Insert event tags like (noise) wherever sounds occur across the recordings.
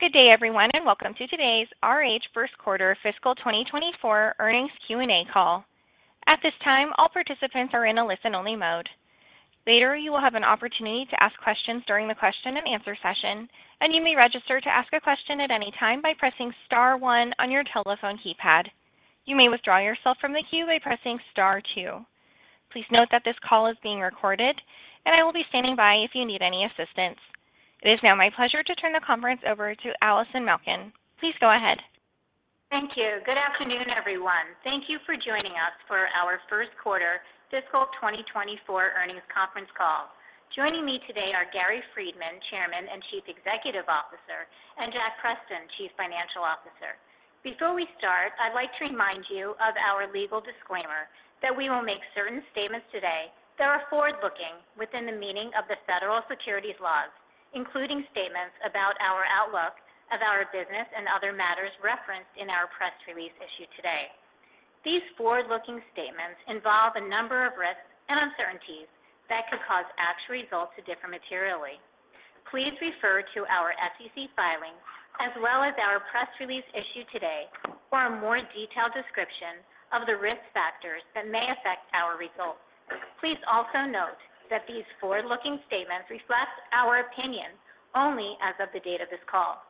Good day, everyone, and welcome to today's RH First Quarter Fiscal 2024 Earnings Q&A call. At this time, all participants are in a listen-only mode. Later, you will have an opportunity to ask questions during the question and answer session, and you may register to ask a question at any time by pressing star one on your telephone keypad. You may withdraw yourself from the queue by pressing star two. Please note that this call is being recorded, and I will be standing by if you need any assistance. It is now my pleasure to turn the conference over to Allison Malkin. Please go ahead. Thank you. Good afternoon, everyone. Thank you for joining us for our first quarter fiscal 2024 earnings conference call. Joining me today are Gary Friedman, Chairman and Chief Executive Officer, and Jack Preston, Chief Financial Officer. Before we start, I'd like to remind you of our legal disclaimer that we will make certain statements today that are forward-looking within the meaning of the federal securities laws, including statements about our outlook of our business and other matters referenced in our press release issued today. These forward-looking statements involve a number of risks and uncertainties that could cause actual results to differ materially. Please refer to our SEC filings as well as our press release issued today for a more detailed description of the risk factors that may affect our results. Please also note that these forward-looking statements reflect our opinions only as of the date of this call,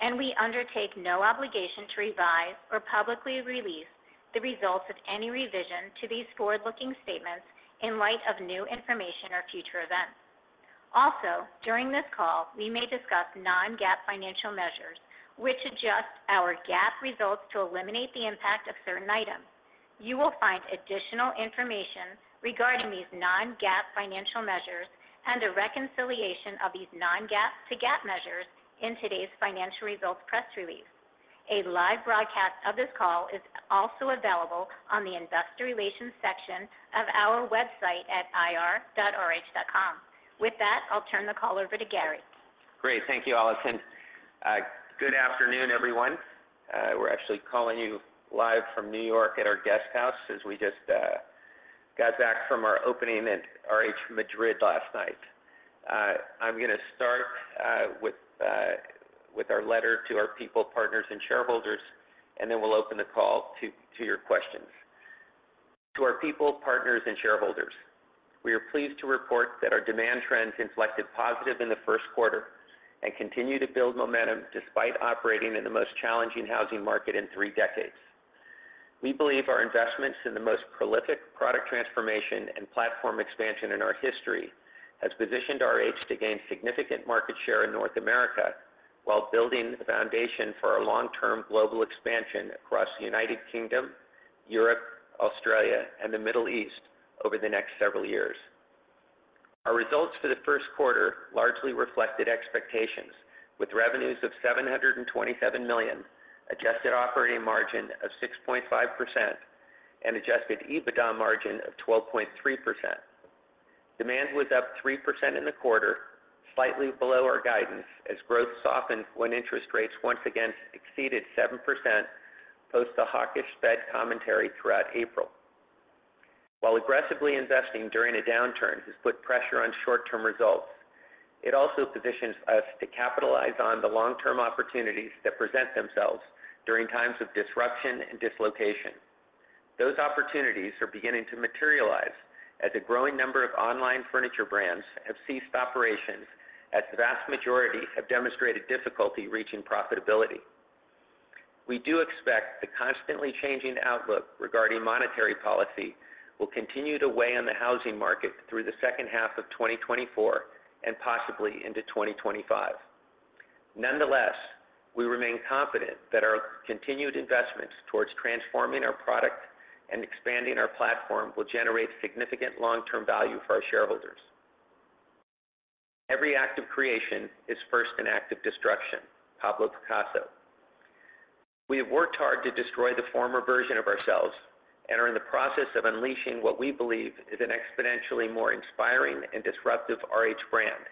and we undertake no obligation to revise or publicly release the results of any revision to these forward-looking statements in light of new information or future events. Also, during this call, we may discuss non-GAAP financial measures, which adjust our GAAP results to eliminate the impact of certain items. You will find additional information regarding these non-GAAP financial measures and a reconciliation of these non-GAAP to GAAP measures in today's financial results press release. A live broadcast of this call is also available on the Investor Relations section of our website at ir.rh.com. With that, I'll turn the call over to Gary. Great. Thank you, Allison. Good afternoon, everyone. We're actually calling you live from New York at our guest house, as we just got back from our opening at RH Madrid last night. I'm gonna start with our letter to our people, partners, and shareholders, and then we'll open the call to your questions. "To our people, partners, and shareholders, we are pleased to report that our demand trends inflected positive in the first quarter and continue to build momentum despite operating in the most challenging housing market in three decades. We believe our investments in the most prolific product transformation and platform expansion in our history has positioned RH to gain significant market share in North America while building the foundation for our long-term global expansion across the United Kingdom, Europe, Australia, and the Middle East over the next several years. Our results for the first quarter largely reflected expectations with revenues of $727 million, adjusted operating margin of 6.5%, and adjusted EBITDA margin of 12.3%. Demand was up 3% in the quarter, slightly below our guidance, as growth softened when interest rates once again exceeded 7% post the hawkish Fed commentary throughout April. While aggressively investing during a downturn has put pressure on short-term results, it also positions us to capitalize on the long-term opportunities that present themselves during times of disruption and dislocation. Those opportunities are beginning to materialize as a growing number of online furniture brands have ceased operations, as the vast majority have demonstrated difficulty reaching profitability. We do expect the constantly changing outlook regarding monetary policy will continue to weigh on the housing market through the second half of 2024 and possibly into 2025. Nonetheless, we remain confident that our continued investments towards transforming our product and expanding our platform will generate significant long-term value for our shareholders. "Every act of creation is first an act of destruction," Pablo Picasso. We have worked hard to destroy the former version of ourselves and are in the process of unleashing what we believe is an exponentially more inspiring and disruptive RH brand,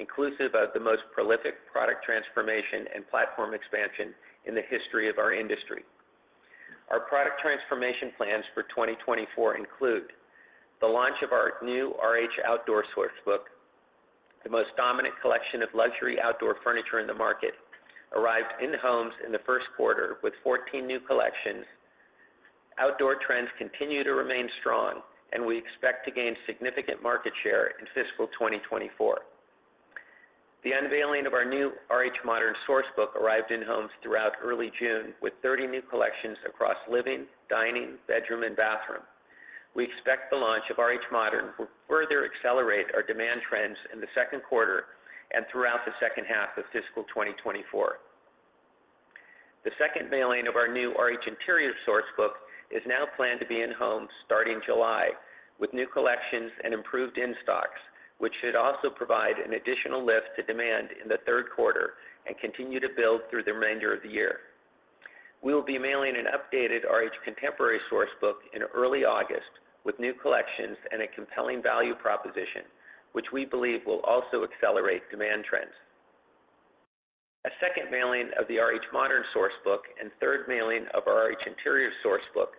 inclusive of the most prolific product transformation and platform expansion in the history of our industry. Our product transformation plans for 2024 include the launch of our new RH Outdoor Sourcebook, the most dominant collection of luxury outdoor furniture in the market, arrived in homes in the first quarter with 14 new collections. Outdoor trends continue to remain strong, and we expect to gain significant market share in fiscal 2024. The unveiling of our new RH Modern Sourcebook arrived in homes throughout early June with 30 new collections across living, dining, bedroom, and bathroom. We expect the launch of RH Modern will further accelerate our demand trends in the second quarter and throughout the second half of fiscal 2024. The second mailing of our new RH Interior Sourcebook is now planned to be in homes starting July, with new collections and improved in-stocks, which should also provide an additional lift to demand in the third quarter and continue to build through the remainder of the year. We will be mailing an updated RH Contemporary Sourcebook in early August with new collections and a compelling value proposition, which we believe will also accelerate demand trends. A second mailing of the RH Modern Sourcebook and third mailing of RH Interior Sourcebook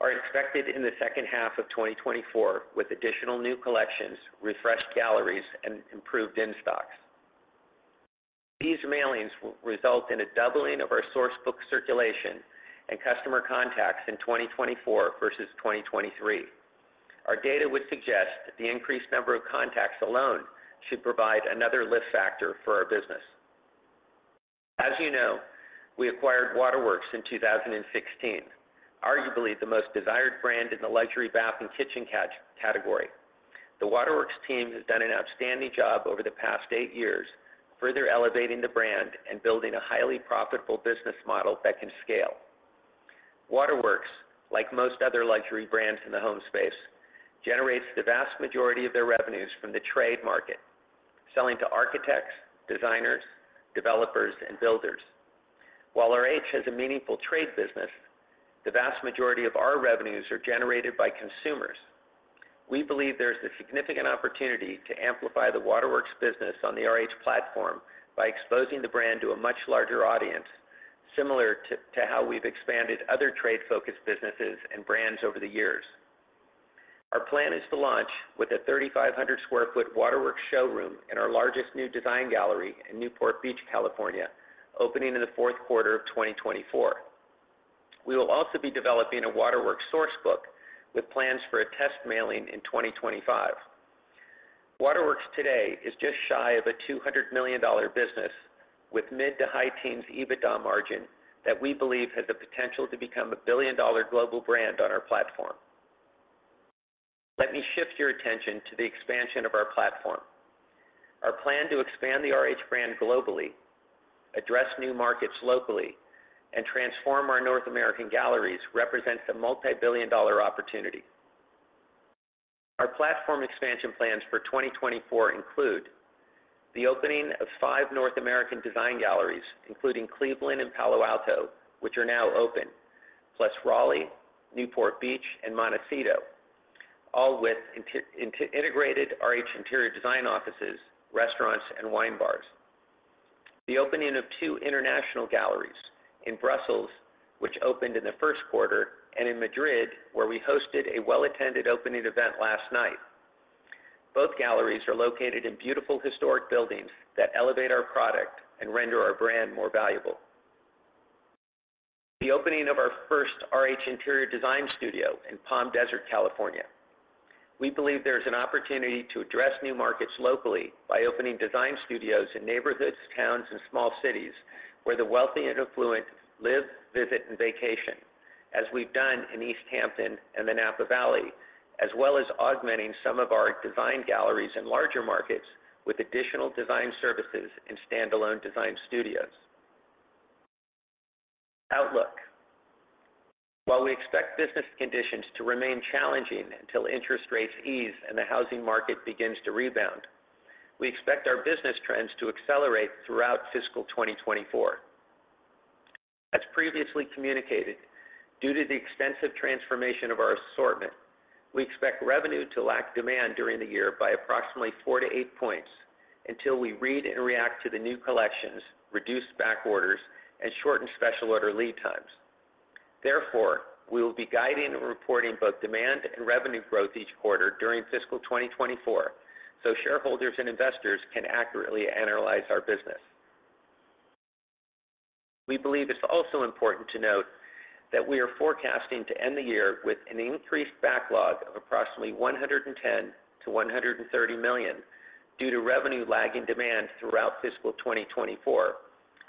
are expected in the second half of 2024, with additional new collections, refreshed galleries, and improved in-stocks. These mailings will result in a doubling of our Source Book circulation and customer contacts in 2024 versus 2023. Our data would suggest that the increased number of contacts alone should provide another lift factor for our business. As you know, we acquired Waterworks in 2016, arguably the most desired brand in the luxury bath and kitchen category. The Waterworks team has done an outstanding job over the past eight years, further elevating the brand and building a highly profitable business model that can scale. Waterworks, like most other luxury brands in the home space, generates the vast majority of their revenues from the trade market, selling to architects, designers, developers, and builders. While RH has a meaningful trade business, the vast majority of our revenues are generated by consumers. We believe there's a significant opportunity to amplify the Waterworks business on the RH platform by exposing the brand to a much larger audience, similar to, to how we've expanded other trade-focused businesses and brands over the years. Our plan is to launch with a 3,500 sq ft Waterworks showroom in our largest new design gallery in Newport Beach, California, opening in the fourth quarter of 2024. We will also be developing a Waterworks Sourcebook with plans for a test mailing in 2025. Waterworks today is just shy of a $200 million business with mid- to high-teens EBITDA margin that we believe has the potential to become a billion-dollar global brand on our platform. Let me shift your attention to the expansion of our platform. Our plan to expand the RH brand globally, address new markets locally, and transform our North American galleries represents a multibillion-dollar opportunity. Our platform expansion plans for 2024 include: the opening of five North American design galleries, including Cleveland and Palo Alto, which are now open, plus Raleigh, Newport Beach, and Montecito, all with integrated RH interior design offices, restaurants, and wine bars. The opening of two international galleries in Brussels, which opened in the first quarter, and in Madrid, where we hosted a well-attended opening event last night. Both galleries are located in beautiful historic buildings that elevate our product and render our brand more valuable. The opening of our first RH interior design studio in Palm Desert, California. We believe there is an opportunity to address new markets locally by opening design studios in neighborhoods, towns, and small cities where the wealthy and affluent live, visit, and vacation, as we've done in East Hampton and the Napa Valley, as well as augmenting some of our design galleries in larger markets with additional design services and standalone design studios. Outlook. While we expect business conditions to remain challenging until interest rates ease and the housing market begins to rebound, we expect our business trends to accelerate throughout fiscal 2024. As previously communicated, due to the extensive transformation of our assortment, we expect revenue to lag demand during the year by approximately four to eight points until we read and react to the new collections, reduce back orders, and shorten special order lead times. Therefore, we will be guiding and reporting both demand and revenue growth each quarter during fiscal 2024, so shareholders and investors can accurately analyze our business. We believe it's also important to note that we are forecasting to end the year with an increased backlog of approximately $110 million-$130 million due to revenue lag in demand throughout fiscal 2024,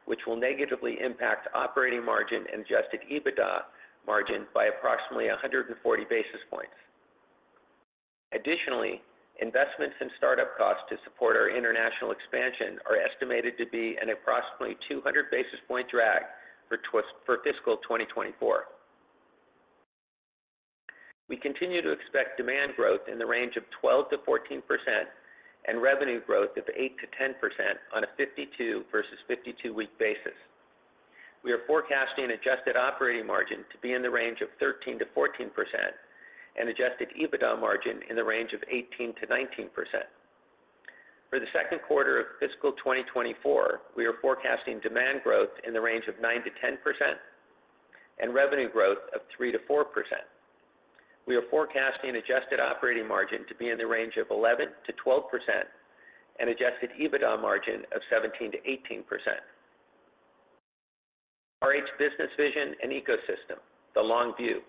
which will negatively impact operating margin and adjusted EBITDA margin by approximately 140 basis points. Additionally, investments and start-up costs to support our international expansion are estimated to be an approximately 200 basis point drag for fiscal 2024. We continue to expect demand growth in the range of 12%-14% and revenue growth of 8%-10% on a 52 versus 52-week basis. We are forecasting adjusted operating margin to be in the range of 13%-14% and adjusted EBITDA margin in the range of 18%-19%. For the second quarter of fiscal 2024, we are forecasting demand growth in the range of 9%-10% and revenue growth of 3%-4%. We are forecasting adjusted operating margin to be in the range of 11%-12% and adjusted EBITDA margin of 17%-18%. RH business vision and ecosystem: the long view.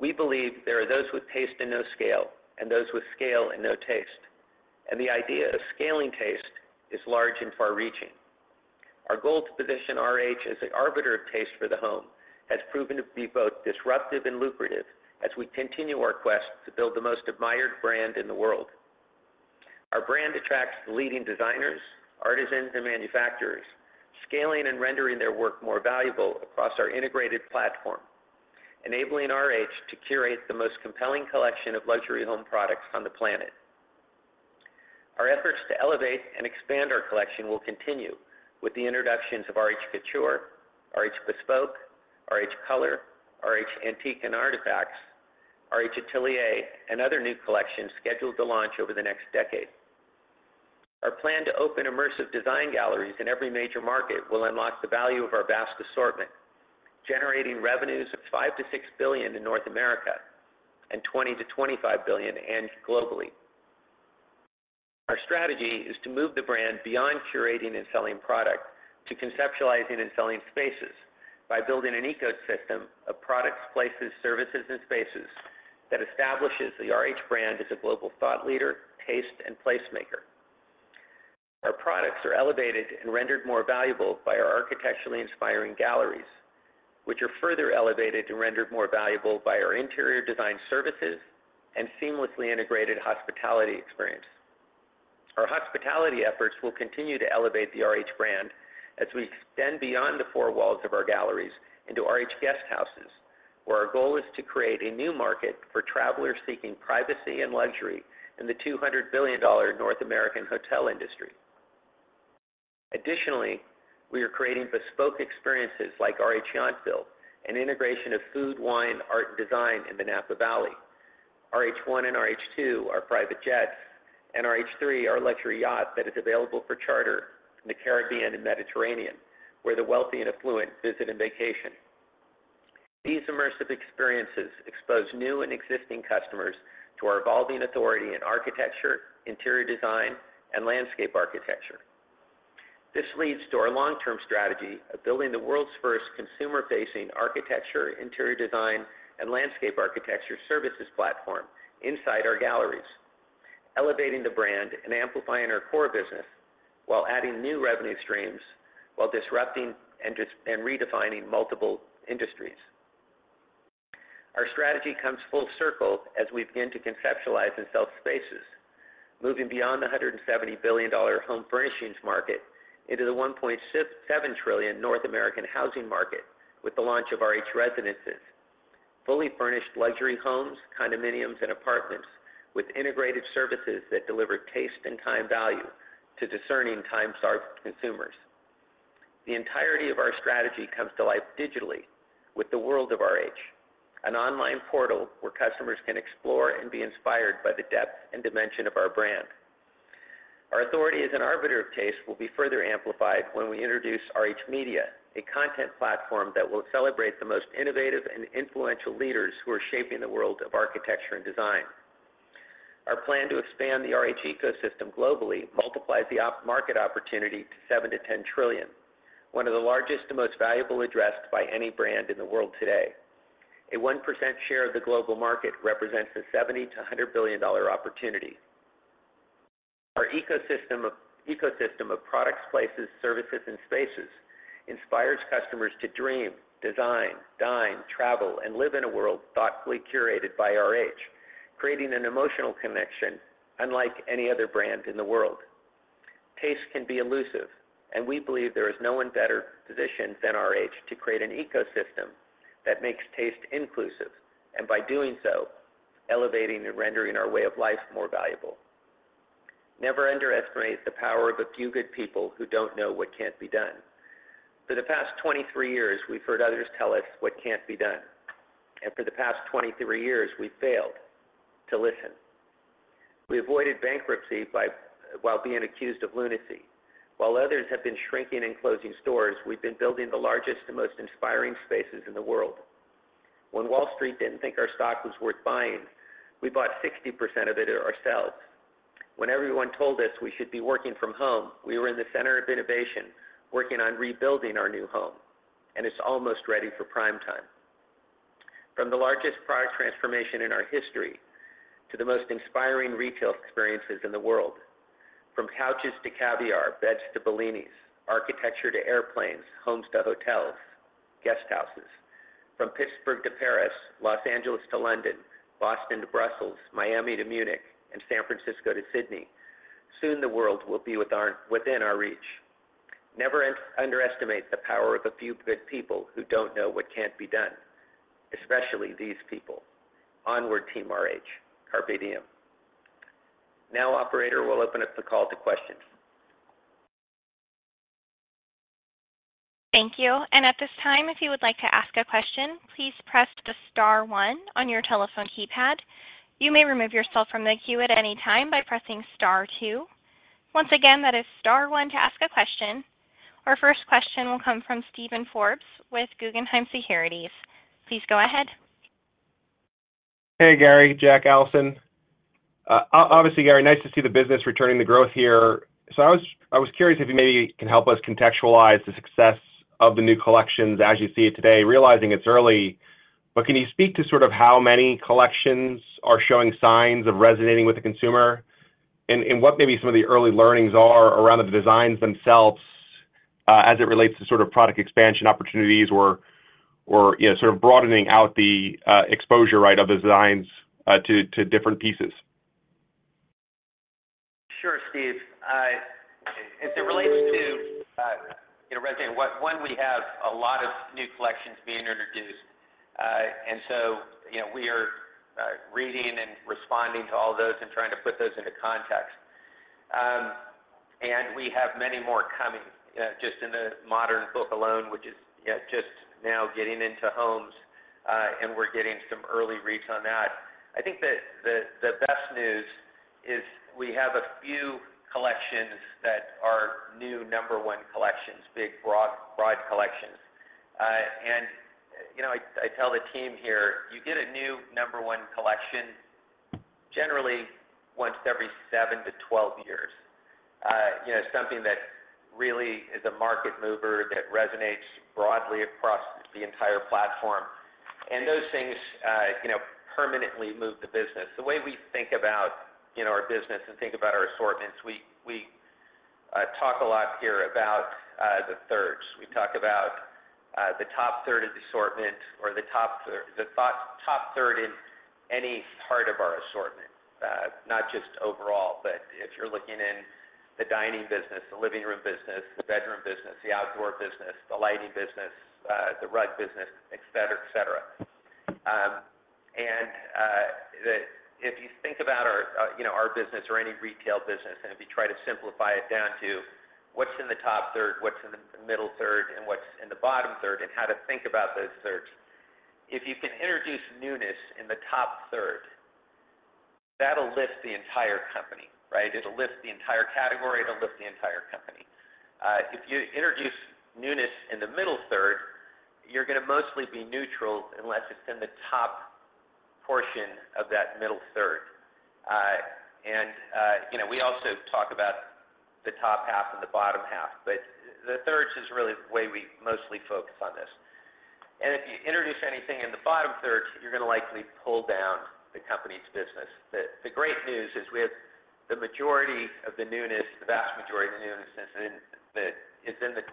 We believe there are those with taste and no scale, and those with scale and no taste, and the idea of scaling taste is large and far-reaching. Our goal to position RH as the arbiter of taste for the home has proven to be both disruptive and lucrative as we continue our quest to build the most admired brand in the world. Our brand attracts the leading designers, artisans, and manufacturers, scaling and rendering their work more valuable across our integrated platform, enabling RH to curate the most compelling collection of luxury home products on the planet. Our efforts to elevate and expand our collection will continue with the introductions of RH Couture, RH Bespoke, RH Color, RH Antiques & Artifacts, RH Atelier, and other new collections scheduled to launch over the next decade. Our plan to open immersive design galleries in every major market will unlock the value of our vast assortment, generating revenues of $5 billion-$6 billion in North America and $20 billion-$25 billion globally. Our strategy is to move the brand beyond curating and selling product, to conceptualizing and selling spaces by building an ecosystem of products, places, services, and spaces that establishes the RH brand as a global thought leader, taste, and placemaker. Our products are elevated and rendered more valuable by our architecturally inspiring galleries, which are further elevated and rendered more valuable by our interior design services and seamlessly integrated hospitality experience. Our hospitality efforts will continue to elevate the RH brand as we extend beyond the four walls of our galleries into RH guest houses, where our goal is to create a new market for travelers seeking privacy and luxury in the $200 billion North American hotel industry. Additionally, we are creating bespoke experiences like RH Yountville, an integration of food, wine, art, and design in the Napa Valley. RH One and RH Two are private jets, and RH Three, our luxury yacht that is available for charter in the Caribbean and Mediterranean, where the wealthy and affluent visit and vacation. These immersive experiences expose new and existing customers to our evolving authority in architecture, interior design, and landscape architecture. This leads to our long-term strategy of building the world's first consumer-facing architecture, interior design, and landscape architecture services platform inside our galleries, elevating the brand and amplifying our core business while adding new revenue streams, while disrupting and redefining multiple industries. Our strategy comes full circle as we begin to conceptualize and sell spaces, moving beyond the $170 billion home furnishings market into the $1.7 trillion North American housing market with the launch of RH Residences, fully furnished luxury homes, condominiums, and apartments with integrated services that deliver taste and time value to discerning, time-starved consumers. The entirety of our strategy comes to life digitally with the World of RH, an online portal where customers can explore and be inspired by the depth and dimension of our brand. Our authority as an arbiter of taste will be further amplified when we introduce RH Media, a content platform that will celebrate the most innovative and influential leaders who are shaping the world of architecture and design. Our plan to expand the RH ecosystem globally multiplies the market opportunity to $7 trillion-$10 trillion, one of the largest and most valuable addressed by any brand in the world today. A 1% share of the global market represents a $70 billion-$100 billion opportunity. Our ecosystem of products, places, services, and spaces inspires customers to dream, design, dine, travel, and live in a world thoughtfully curated by RH, creating an emotional connection unlike any other brand in the world. Taste can be elusive, and we believe there is no one better positioned than RH to create an ecosystem that makes taste inclusive, and by doing so, elevating and rendering our way of life more valuable. Never underestimate the power of a few good people who don't know what can't be done. For the past 23 years, we've heard others tell us what can't be done, and for the past 23 years, we've failed to listen. We avoided bankruptcy by, while being accused of lunacy. While others have been shrinking and closing stores, we've been building the largest and most inspiring spaces in the world. When Wall Street didn't think our stock was worth buying, we bought 60% of it ourselves. When everyone told us we should be working from home, we were in the center of innovation, working on rebuilding our new home, and it's almost ready for prime time. From the largest product transformation in our history to the most inspiring retail experiences in the world, from couches to caviar, beds to bellinis, architecture to airplanes, homes to hotels, guesthouses. From Pittsburgh to Paris, Los Angeles to London, Boston to Brussels, Miami to Munich, and San Francisco to Sydney, soon the world will be within our reach. Never underestimate the power of a few good people who don't know what can't be done, especially these people. Onward, Team RH. Carpe diem. Now, operator, we'll open up the call to questions. Thank you. At this time, if you would like to ask a question, please press the star one on your telephone keypad. You may remove yourself from the queue at any time by pressing star two. Once again, that is star one to ask a question. Our first question will come from Steven Forbes with Guggenheim Securities. Please go ahead. Hey, Gary, Jack, Allison. Obviously, Gary, nice to see the business returning to growth here. So I was curious if you maybe can help us contextualize the success of the new collections as you see it today, realizing it's early. But can you speak to sort of how many collections are showing signs of resonating with the consumer? And what maybe some of the early learnings are around the designs themselves, as it relates to sort of product expansion opportunities or, you know, sort of broadening out the exposure, right, of the designs to different pieces? Sure, Steve. As it relates to, you know, resonating. One, we have a lot of new collections being introduced. And so, you know, we are reading and responding to all those and trying to put those into context. And we have many more coming just in the modern book alone, which is just now getting into homes. And we're getting some early reads on that. I think that the best news is we have a few collections that are new number one collections, big, broad, broad collections. And, you know, I tell the team here, you get a new number one collection generally once every seven to 12 years. You know, something that really is a market mover, that resonates broadly across the entire platform. And those things, you know, permanently move the business. The way we think about, you know, our business and think about our assortments, we talk a lot here about the thirds. We talk about the top third of the assortment, or the top third, the top third in any part of our assortment, not just overall, but if you're looking in the dining business, the living room business, the bedroom business, the outdoor business, the lighting business, the rug business, et cetera, et cetera. And if you think about our, you know, our business or any retail business, and if you try to simplify it down to what's in the top third, what's in the middle third, and what's in the bottom third, and how to think about those thirds. If you can introduce newness in the top third, that'll lift the entire company, right? It'll lift the entire category, it'll lift the entire company. If you introduce newness in the middle third, you're gonna mostly be neutral unless it's in the top portion of that middle third. You know, we also talk about the top half and the bottom half, but the thirds is really the way we mostly focus on this. If you introduce anything in the bottom third, you're gonna likely pull down the company's business. The great news is, we have the majority of the newness, the vast majority of the newness is in the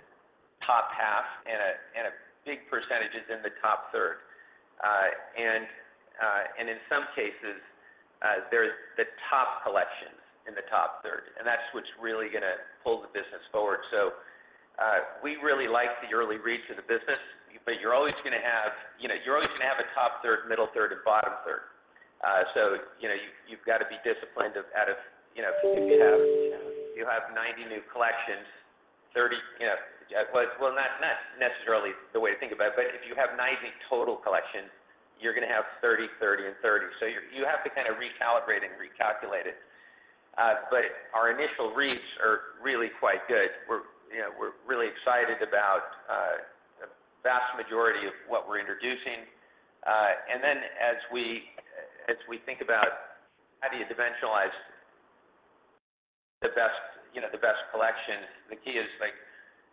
top half, and a big percentage is in the top third. In some cases, there's the top collections in the top third, and that's what's really gonna pull the business forward. So, we really like the early reads of the business, but you're always gonna have, you know, you're always gonna have a top third, middle third, and bottom third. So, you know, you've, you've got to be disciplined of out of, you know, if you have, you have 90 new collections, 30, you know, Well, not, not necessarily the way to think about it, but if you have 90 total collections, you're gonna have 30, 30, and 30. So you have to kind of recalibrate and recalculate it. But our initial reads are really quite good. We're, you know, we're really excited about, the vast majority of what we're introducing. And then as we, as we think about how do you dimensionalize the best, you know, the best collection, the key is like,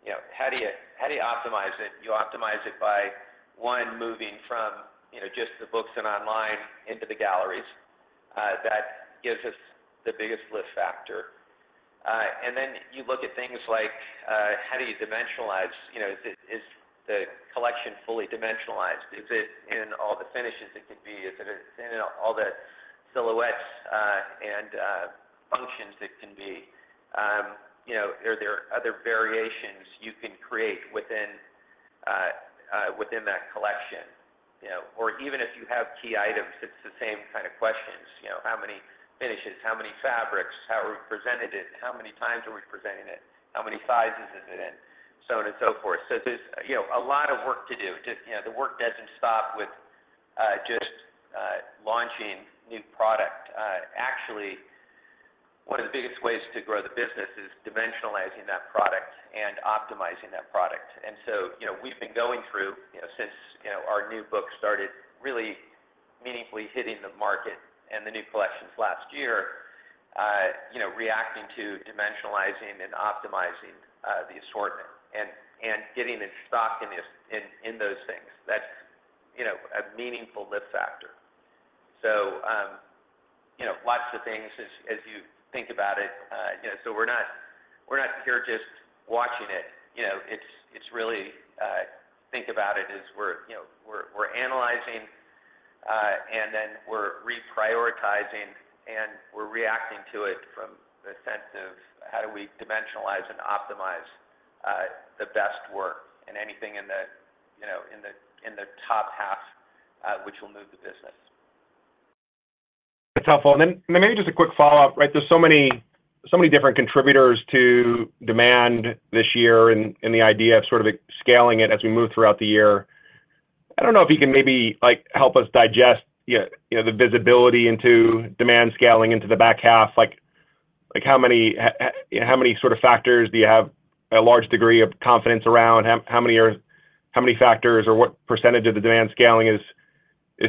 you know, how do you, how do you optimize it? You optimize it by, one, moving from, you know, just the books and online into the galleries. That gives us the biggest lift factor. And then you look at things like, how do you dimensionalize, you know, is the collection fully dimensionalized? Is it in all the finishes it could be? Is it in all the silhouettes, and functions it can be? You know, are there other variations you can create within that collection? You know, or even if you have key items, it's the same kind of questions. You know, how many finishes? How many fabrics? How are we presented it? How many times are we presenting it? How many sizes is it in? So on and so forth. So there's, you know, a lot of work to do. Just, you know, the work doesn't stop with just launching new product. Actually, one of the biggest ways to grow the business is dimensionalizing that product and optimizing that product. And so, you know, we've been going through, you know, since, you know, our new book started really meaningfully hitting the market and the new collections last year, you know, reacting to dimensionalizing and optimizing the assortment and getting in stock in those things. That's, you know, a meaningful lift factor. So, you know, lots of things as you think about it. You know, so we're not here just watching it. You know, it's really, think about it, as we're, you know, we're analyzing, and then we're reprioritizing, and we're reacting to it from the sense of how do we dimensionalize and optimize the best work and anything in the, you know, in the top half, which will move the business. That's helpful. And then maybe just a quick follow-up, right? There's so many, so many different contributors to demand this year and, and the idea of sort of scaling it as we move throughout the year. I don't know if you can maybe, like, help us digest, you know, the visibility into demand scaling into the back half. Like, how many sort of factors do you have a large degree of confidence around? How many factors or what percentage of the demand scaling is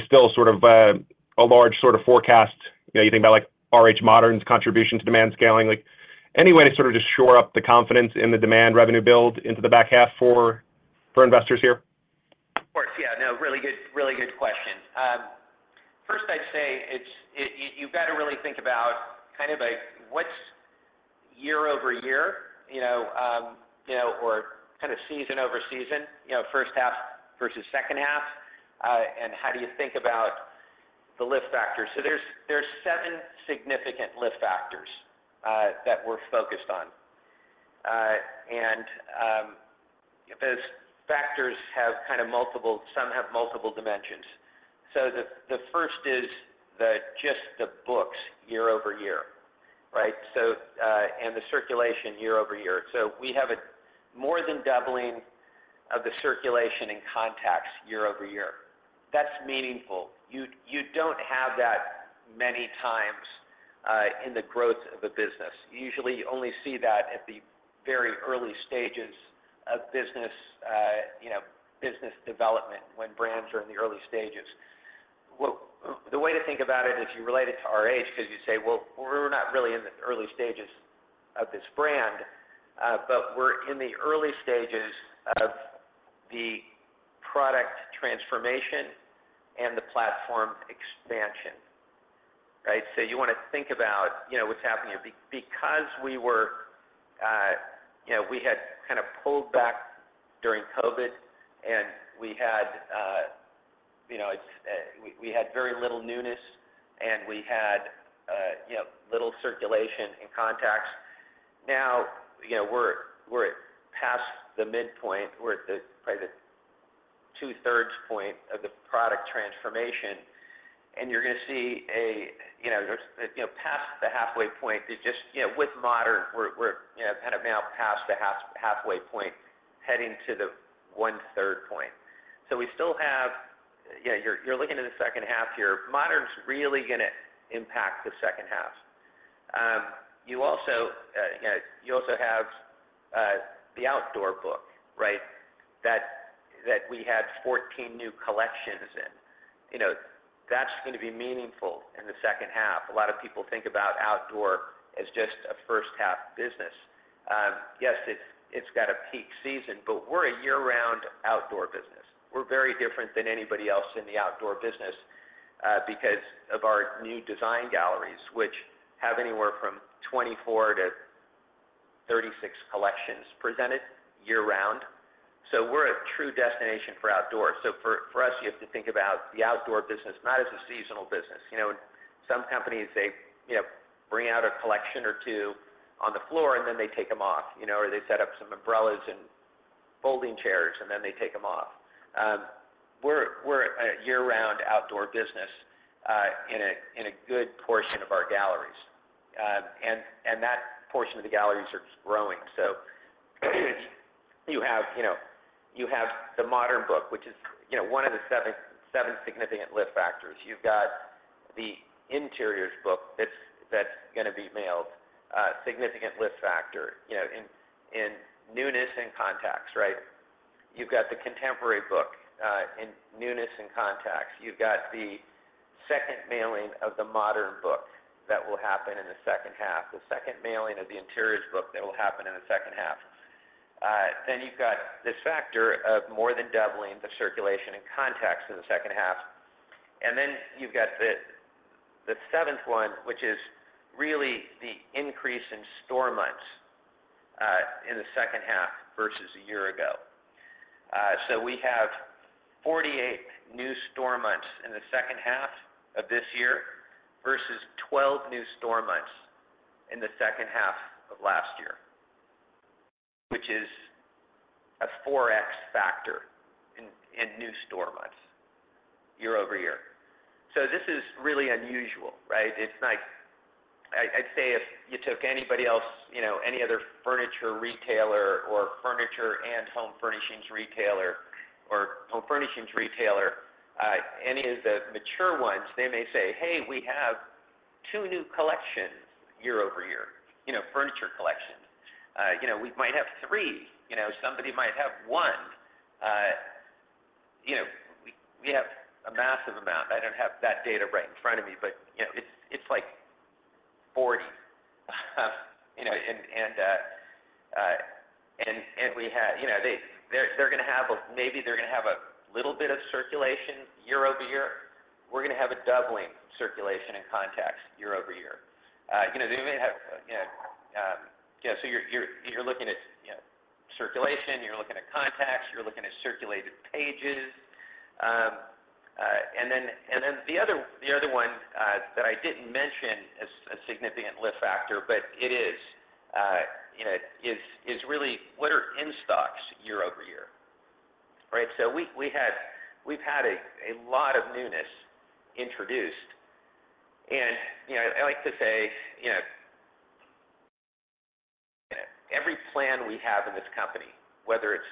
still sort of a large sort of forecast? You know, you think about, like, RH Modern's contribution to demand scaling. Like, any way to sort of just shore up the confidence in the demand revenue build into the back half for investors here? Of course. Yeah, no, really good, really good question. First, I'd say it's, you, you've got to really think about kind of like what's year-over-year, you know, you know, or kind of season-over-season, you know, first half versus second half, and how do you think about the lift factor? So there's, there's seven significant lift factors that we're focused on. And those factors have kind of multiple, some have multiple dimensions. So the, the first is the, just the books year-over-year, right? So, and the circulation year-over-year. So we have a more than doubling of the circulation and contacts year-over-year. That's meaningful. You, you don't have that many times in the growth of a business. Usually, you only see that at the very early stages of business, you know, business development, when brands are in the early stages. Well, the way to think about it is you relate it to RH, 'cause you say, "Well, we're not really in the early stages of this brand, but we're in the early stages of the product transformation and the platform expansion." Right? So you want to think about, you know, what's happening here. Because we were, you know, we had kind of pulled back during COVID, and we had, you know, we had very little newness, and we had, you know, little circulation and contacts. Now, you know, we're past the midpoint, we're at the probably the 2/3 point of the product transformation, and you're gonna see a, you know, there's, you know, past the halfway point, it just, You know, with modern, we're, you know, kind of now past the halfway point, heading to the 1/3 point. So we still have, yeah, you're looking at the second half here. Modern's really gonna impact the second half. You also, you know, you also have the outdoor book, right? That, that we had 14 new collections in. You know, that's going to be meaningful in the second half. A lot of people think about outdoor as just a first half business. Yes, it's got a peak season, but we're a year-round outdoor business. We're very different than anybody else in the outdoor business because of our new design galleries, which have anywhere from 24 to 36 collections presented year round. So we're a true destination for outdoors. So for us, you have to think about the outdoor business, not as a seasonal business. You know, some companies, they, you know, bring out a collection or two on the floor, and then they take them off, you know, or they set up some umbrellas and folding chairs, and then they take them off. We're a year-round outdoor business in a good portion of our galleries. And that portion of the galleries are just growing. So you have, you know, you have the modern book, which is, you know, one of the seven significant lift factors. You've got the interiors book that's gonna be mailed, significant lift factor, you know, in newness and contacts, right? You've got the contemporary book in newness and contacts. You've got the second mailing of the modern book that will happen in the second half, the second mailing of the interiors book that will happen in the second half. Then you've got this factor of more than doubling the circulation and contacts in the second half. And then you've got the seventh one, which is really the increase in store months in the second half versus a year ago. So we have 48 new store months in the second half of this year versus 12 new store months in the second half of last year, which is a 4x factor in new store months, year-over-year. So this is really unusual, right? It's like, I'd say if you took anybody else, you know, any other furniture retailer or furniture and home furnishings retailer, or home furnishings retailer, any of the mature ones, they may say, "Hey, we have two new collections year-over-year," you know, furniture collections. You know, we might have three, you know, somebody might have one. You know, we, we have a massive amount. I don't have that data right in front of me, but, you know, it's, it's like 40. You know, they're gonna have a, maybe they're gonna have a little bit of circulation year-over-year. We're gonna have a doubling of circulation and contacts year-over-year. You know, they may have, you know, so you're looking at, you know, circulation, you're looking at contacts, you're looking at circulated pages. And then the other one that I didn't mention as a significant lift factor, but it is, you know, is really what are in stocks year-over-year? Right? So we've had a lot of newness introduced. And, you know, I like to say, you know, every plan we have in this company, whether it's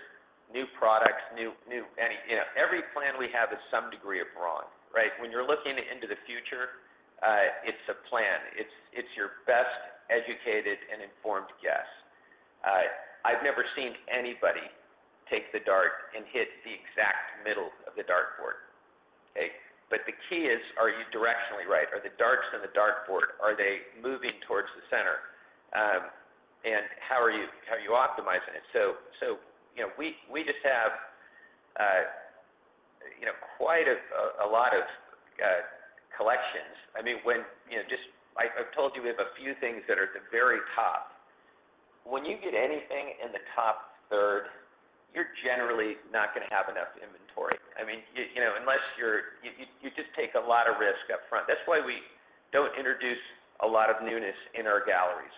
new products, new, any, you know, every plan we have is some degree of wrong, right? When you're looking into the future, it's a plan. It's your best educated and informed guess. I've never seen anybody take the dart and hit the exact middle of the dartboard. Okay? But the key is, are you directionally right? Are the darts on the dartboard, are they moving towards the center? And how are you optimizing it? So, you know, we just have you know, quite a lot of collections. I mean, you know, just I've told you we have a few things that are at the very top. When you get anything in the top third, you're generally not gonna have enough inventory. I mean, you know, unless you just take a lot of risk up front. That's why we don't introduce a lot of newness in our galleries,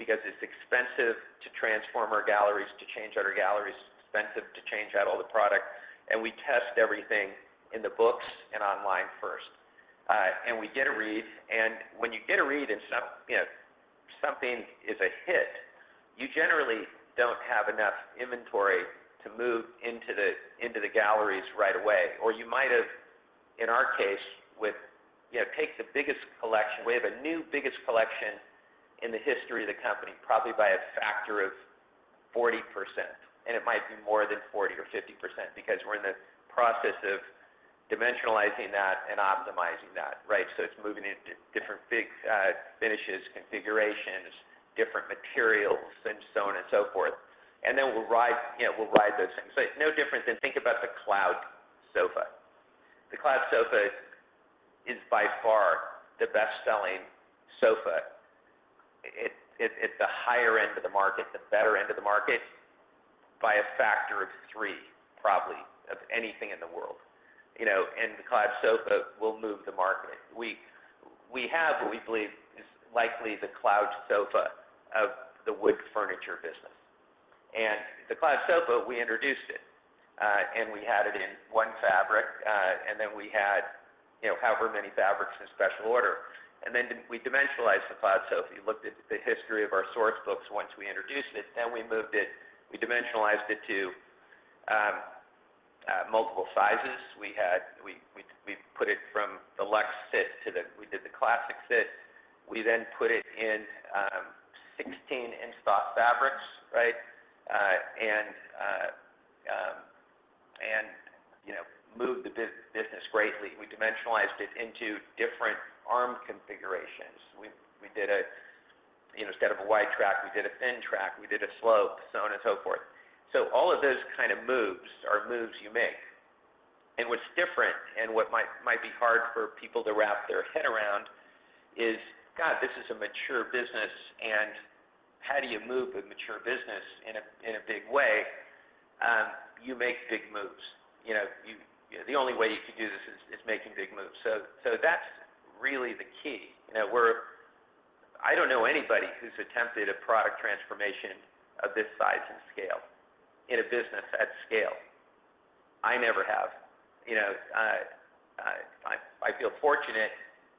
because it's expensive to transform our galleries, to change out our galleries. It's expensive to change out all the product, and we test everything in the books and online first. And we get a read, and when you get a read and you know, something is a hit, you generally don't have enough inventory to move into the galleries right away. Or you might have, in our case, with, you know, take the biggest collection. We have a new biggest collection in the history of the company, probably by a factor of 40%, and it might be more than 40% or 50% because we're in the process of dimensionalizing that and optimizing that, right? So it's moving into different big finishes, configurations, different materials, and so on and so forth. And then we'll ride, you know, we'll ride those things. But no different than think about the Cloud Sofa. The Cloud Sofa is by far the best-selling sofa. It's a higher end of the market, the better end of the market by a factor of three, probably, of anything in the world, you know, and the Cloud Sofa will move the market. We have what we believe is likely the Cloud Sofa of the wood furniture business. And the Cloud Sofa, we introduced it, and we had it in one fabric, and then we had, you know, however many fabrics in special order. And then we dimensionalized the Cloud Sofa. You looked at the history of our Source Books once we introduced it, then we moved it, we dimensionalized it to multiple sizes. We had, we put it from the luxe sit to the. We did the classic sit. We then put it in 16-inch stock fabrics, right? You know, moved the business greatly. We dimensionalized it into different arm configurations. We did, you know, instead of a wide track, we did a thin track, we did a slope, so on and so forth. So all of those kind of moves are moves you make. And what's different and what might be hard for people to wrap their head around is, God, this is a mature business, and how do you move a mature business in a big way? You make big moves. You know, the only way you can do this is making big moves. So that's really the key. You know, I don't know anybody who's attempted a product transformation of this size and scale in a business at scale. I never have. You know, I feel fortunate,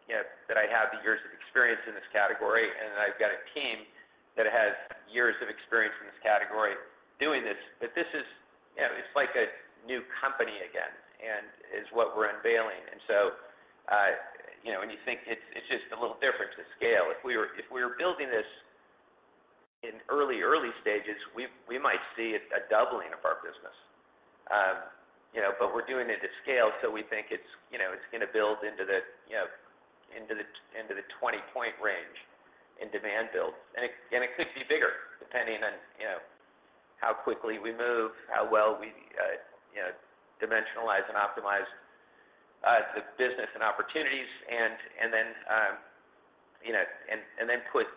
you know, that I have the years of experience in this category, and I've got a team that has years of experience in this category doing this. But this is, you know, it's like a new company again, and is what we're unveiling. And so, you know, when you think it's just a little different to scale. If we were building this in early stages, we might see a doubling of our business. You know, but we're doing it at scale, so we think it's gonna build into the 20-point range in demand build. And it, and it could be bigger, depending on, you know, how quickly we move, how well we, you know, dimensionalize and optimize, the business and opportunities, and, and then, you know, and, and then put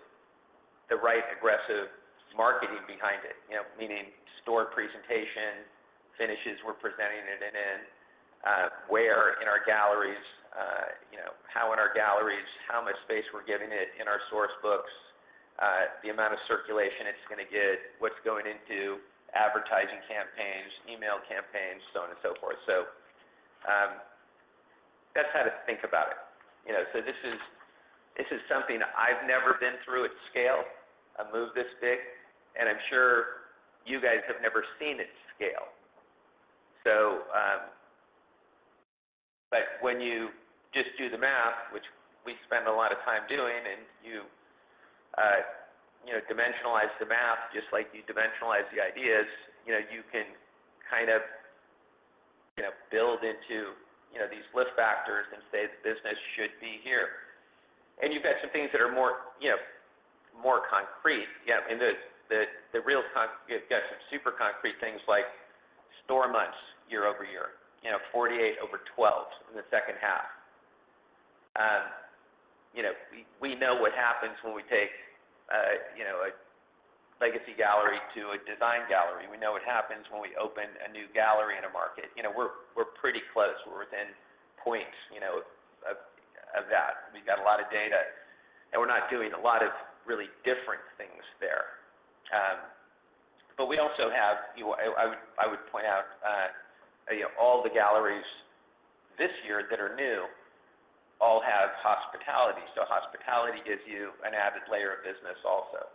the right aggressive marketing behind it. You know, meaning store presentation, finishes we're presenting it in, where in our galleries, you know, how in our galleries, how much space we're giving it in our source books, the amount of circulation it's gonna get, what's going into advertising campaigns, email campaigns, so on and so forth. So, that's how to think about it. You know, so this is, this is something I've never been through at scale, a move this big, and I'm sure you guys have never seen it scale. But when you just do the math, which we spend a lot of time doing, and you know, dimensionalize the math, just like you dimensionalize the ideas, you know, you can kind of you know, build into you know, these lift factors and say, the business should be here. And you've got some things that are more you know, more concrete. Yeah, and the real concrete you've got some super concrete things like store months, year-over-year, you know, 48 over 12 in the second half. You know, we know what happens when we take you know, a legacy gallery to a design gallery. We know what happens when we open a new gallery in a market. You know, we're pretty close. We're within points, you know, of that. We've got a lot of data, and we're not doing a lot of really different things there. But we also have, you know, I would point out, you know, all the galleries this year that are new all have hospitality. So hospitality gives you an added layer of business also.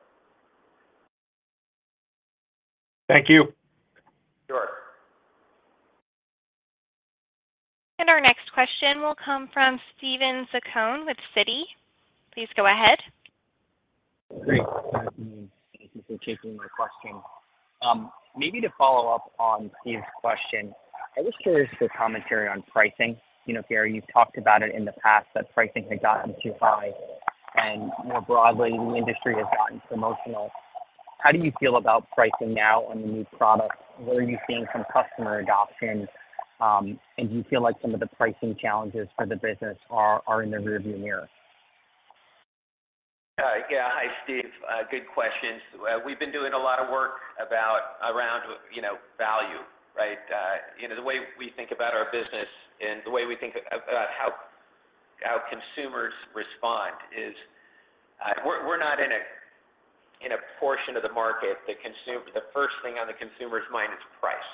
Thank you. Sure. Our next question will come from Steven Zaccone with Citi. Please go ahead. Great. Thank you for taking my question. Maybe to follow up on Steve's question, I was curious for commentary on pricing. You know, Gary, you've talked about it in the past, that pricing had gotten too high, and more broadly, the industry has gotten promotional. How do you feel about pricing now on the new products? Where are you seeing some customer adoption, and do you feel like some of the pricing challenges for the business are in the rearview mirror? Yeah. Hi, Steve. Good questions. We've been doing a lot of work about, around, you know, value, right? You know, the way we think about our business and the way we think about how consumers respond is, we're not in a portion of the market, the first thing on the consumer's mind is price,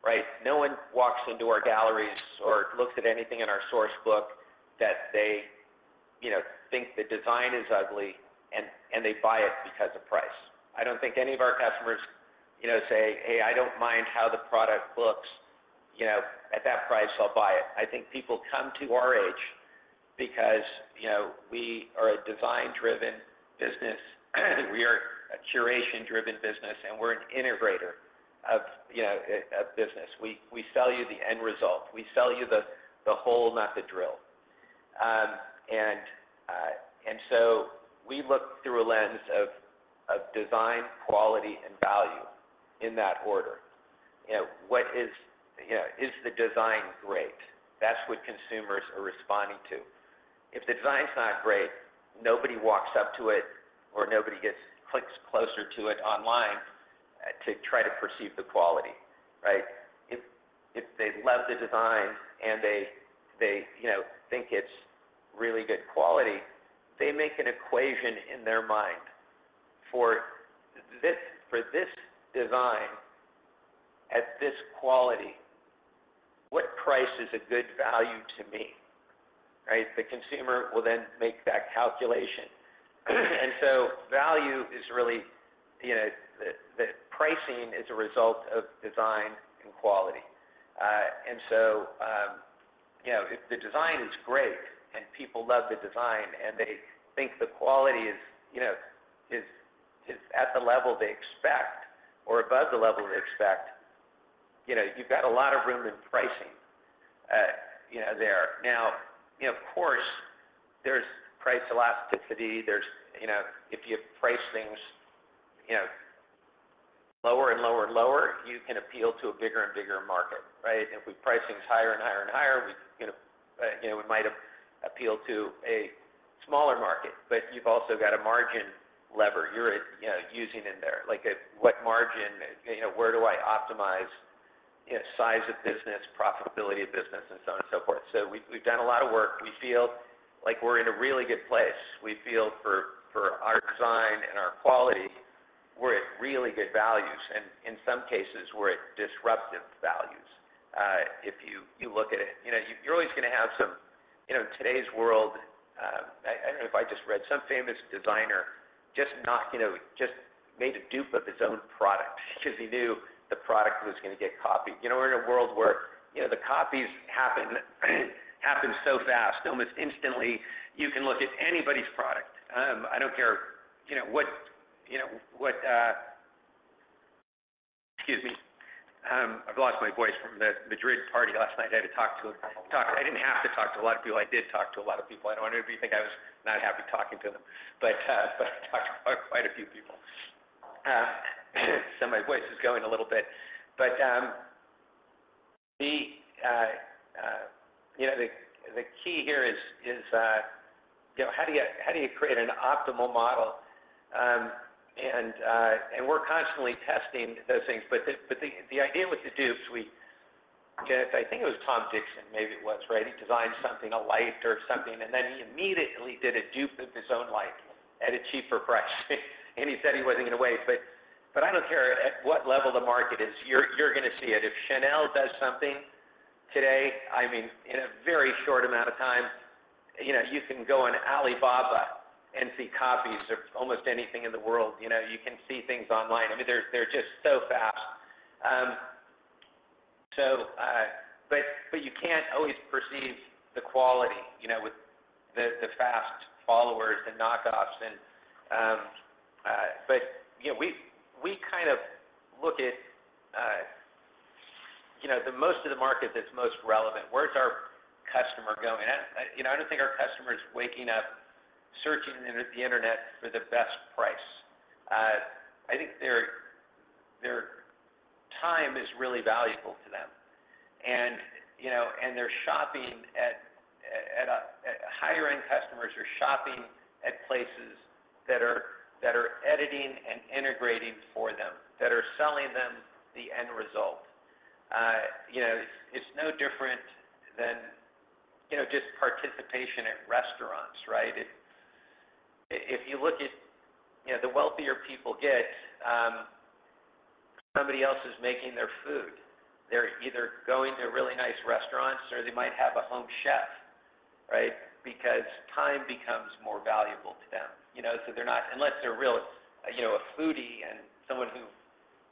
right? No one walks into our galleries or looks at anything in our Source Book that they, you know, think the design is ugly and they buy it because of price. I don't think any of our customers, you know, say, "Hey, I don't mind how the product looks, you know, at that price, I'll buy it." I think people come to RH because, you know, we are a design-driven business, we are a curation-driven business, and we're an integrator of, you know, a business. We sell you the end result. We sell you the whole, not the drill. And so we look through a lens of design, quality, and value in that order. You know, what is, You know, is the design great? That's what consumers are responding to. If the design's not great, nobody walks up to it, or nobody clicks closer to it online, to try to perceive the quality, right? If they love the design and they you know think it's really good quality, they make an equation in their mind for this design at this quality, what price is a good value to me, right? The consumer will then make that calculation. And so value is really you know the pricing is a result of design and quality. And so you know if the design is great and people love the design, and they think the quality is you know at the level they expect or above the level they expect, you know you've got a lot of room in pricing you know there. Now you know of course there's price elasticity. There's you know if you price things you know lower and lower and lower, you can appeal to a bigger and bigger market, right? If we price things higher and higher and higher, we, you know, you know, we might appeal to a smaller market, but you've also got a margin lever you're, you know, using in there. Like, a what margin, you know, where do I optimize, you know, size of business, profitability of business, and so on and so forth. So we've, we've done a lot of work. We feel like we're in a really good place. We feel for, for our design and our quality, we're at really good values, and in some cases, we're at disruptive values. If you, you look at it. You know, you're always gonna have some, you know, in today's world, I, I don't know if I just read some famous designer just not, you know, just made a dupe of his own product because he knew the product was gonna get copied. You know, we're in a world where, you know, the copies happen so fast, almost instantly. You can look at anybody's product. I don't care, you know what, you know, what. Excuse me. I've lost my voice from the Madrid party last night. I had to talk to a lot of people. I didn't have to talk to a lot of people. I did talk to a lot of people. I don't want anybody to think I was not happy talking to them, but I talked to quite a few people. So my voice is going a little bit. But the key here is you know, how do you create an optimal model? And we're constantly testing those things. But the idea with the dupes, we, I think it was Tom Dixon. Maybe it was, right? He designed something, a light or something, and then he immediately did a dupe of his own light at a cheaper price. And he said he wasn't gonna waste, but I don't care at what level the market is, you're gonna see it. If Chanel does something today, I mean, in a very short amount of time, you know, you can go on Alibaba and see copies of almost anything in the world. You know, you can see things online. I mean, they're just so fast. But you can't always perceive the quality, you know, with the fast followers, the knockoffs, and. But, you know, we kind of look at, you know, the most of the market that's most relevant. Where's our customer going? You know, I don't think our customer is waking up, searching in the internet for the best price. I think their time is really valuable to them. And you know, higher-end customers are shopping at places that are editing and integrating for them, that are selling them the end result. You know, it's no different than, you know, just participation at restaurants, right? If you look at, you know, the wealthier people get, somebody else is making their food. They're either going to really nice restaurants, or they might have a home chef, right? Because time becomes more valuable to them, you know, so they're not. Unless they're real, you know, a foodie and someone who,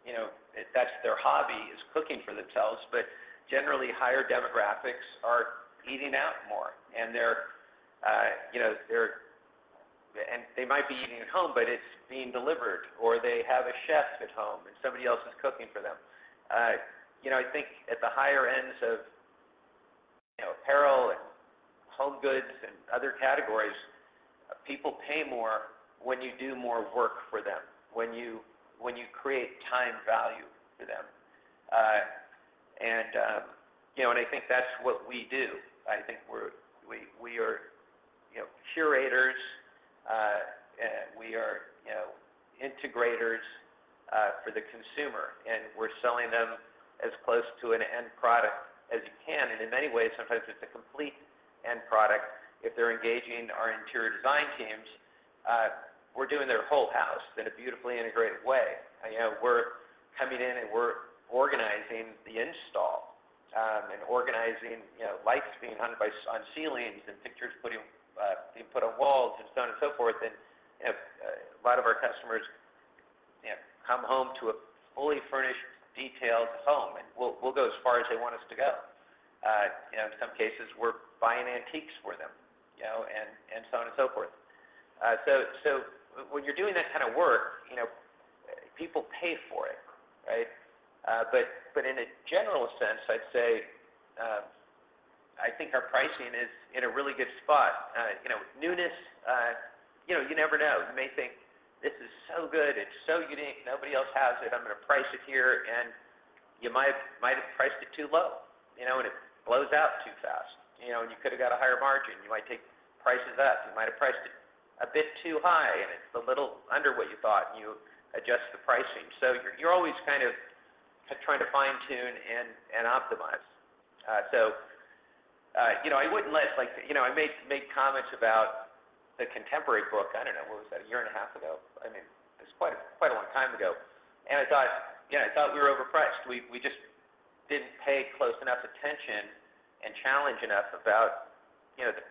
you know, that's their hobby, is cooking for themselves, but generally, higher demographics are eating out more, and they're, you know, and they might be eating at home, but it's being delivered, or they have a chef at home, and somebody else is cooking for them. You know, I think at the higher ends of, you know, apparel and home goods and other categories, people pay more when you do more work for them, when you create time value for them. And, you know, and I think that's what we do. I think we're, we are, you know, integrators for the consumer, and we're selling them as close to an end product as you can. In many ways, sometimes it's a complete end product. If they're engaging our interior design teams, we're doing their whole house in a beautifully integrated way. You know, we're coming in, and we're organizing the install, and organizing, you know, lights being hung by on ceilings, and pictures being put on walls, and so on and so forth. You know, a lot of our customers, you know, come home to a fully furnished, detailed home, and we'll, we'll go as far as they want us to go. You know, in some cases, we're buying antiques for them, you know, and, and so on and so forth. So, so when you're doing that kind of work, you know, people pay for it, right? But, but in a general sense, I'd say, I think our pricing is in a really good spot. You know, with newness, you know, you never know. You may think, this is so good, it's so unique, nobody else has it, I'm gonna price it here, and you might have priced it too low, you know, and it blows out too fast. You know, and you could have got a higher margin. You might take prices up. You might have priced it a bit too high, and it's a little under what you thought, and you adjust the pricing. So you're always kind of trying to fine-tune and optimize. So, you know, I wouldn't let like, You know, I made comments about the contemporary book, I don't know, what was that? A year and a half ago. I mean, it's quite a long time ago. And I thought, you know, I thought we were overpriced. We just didn't pay close enough attention and challenge enough about, you know, the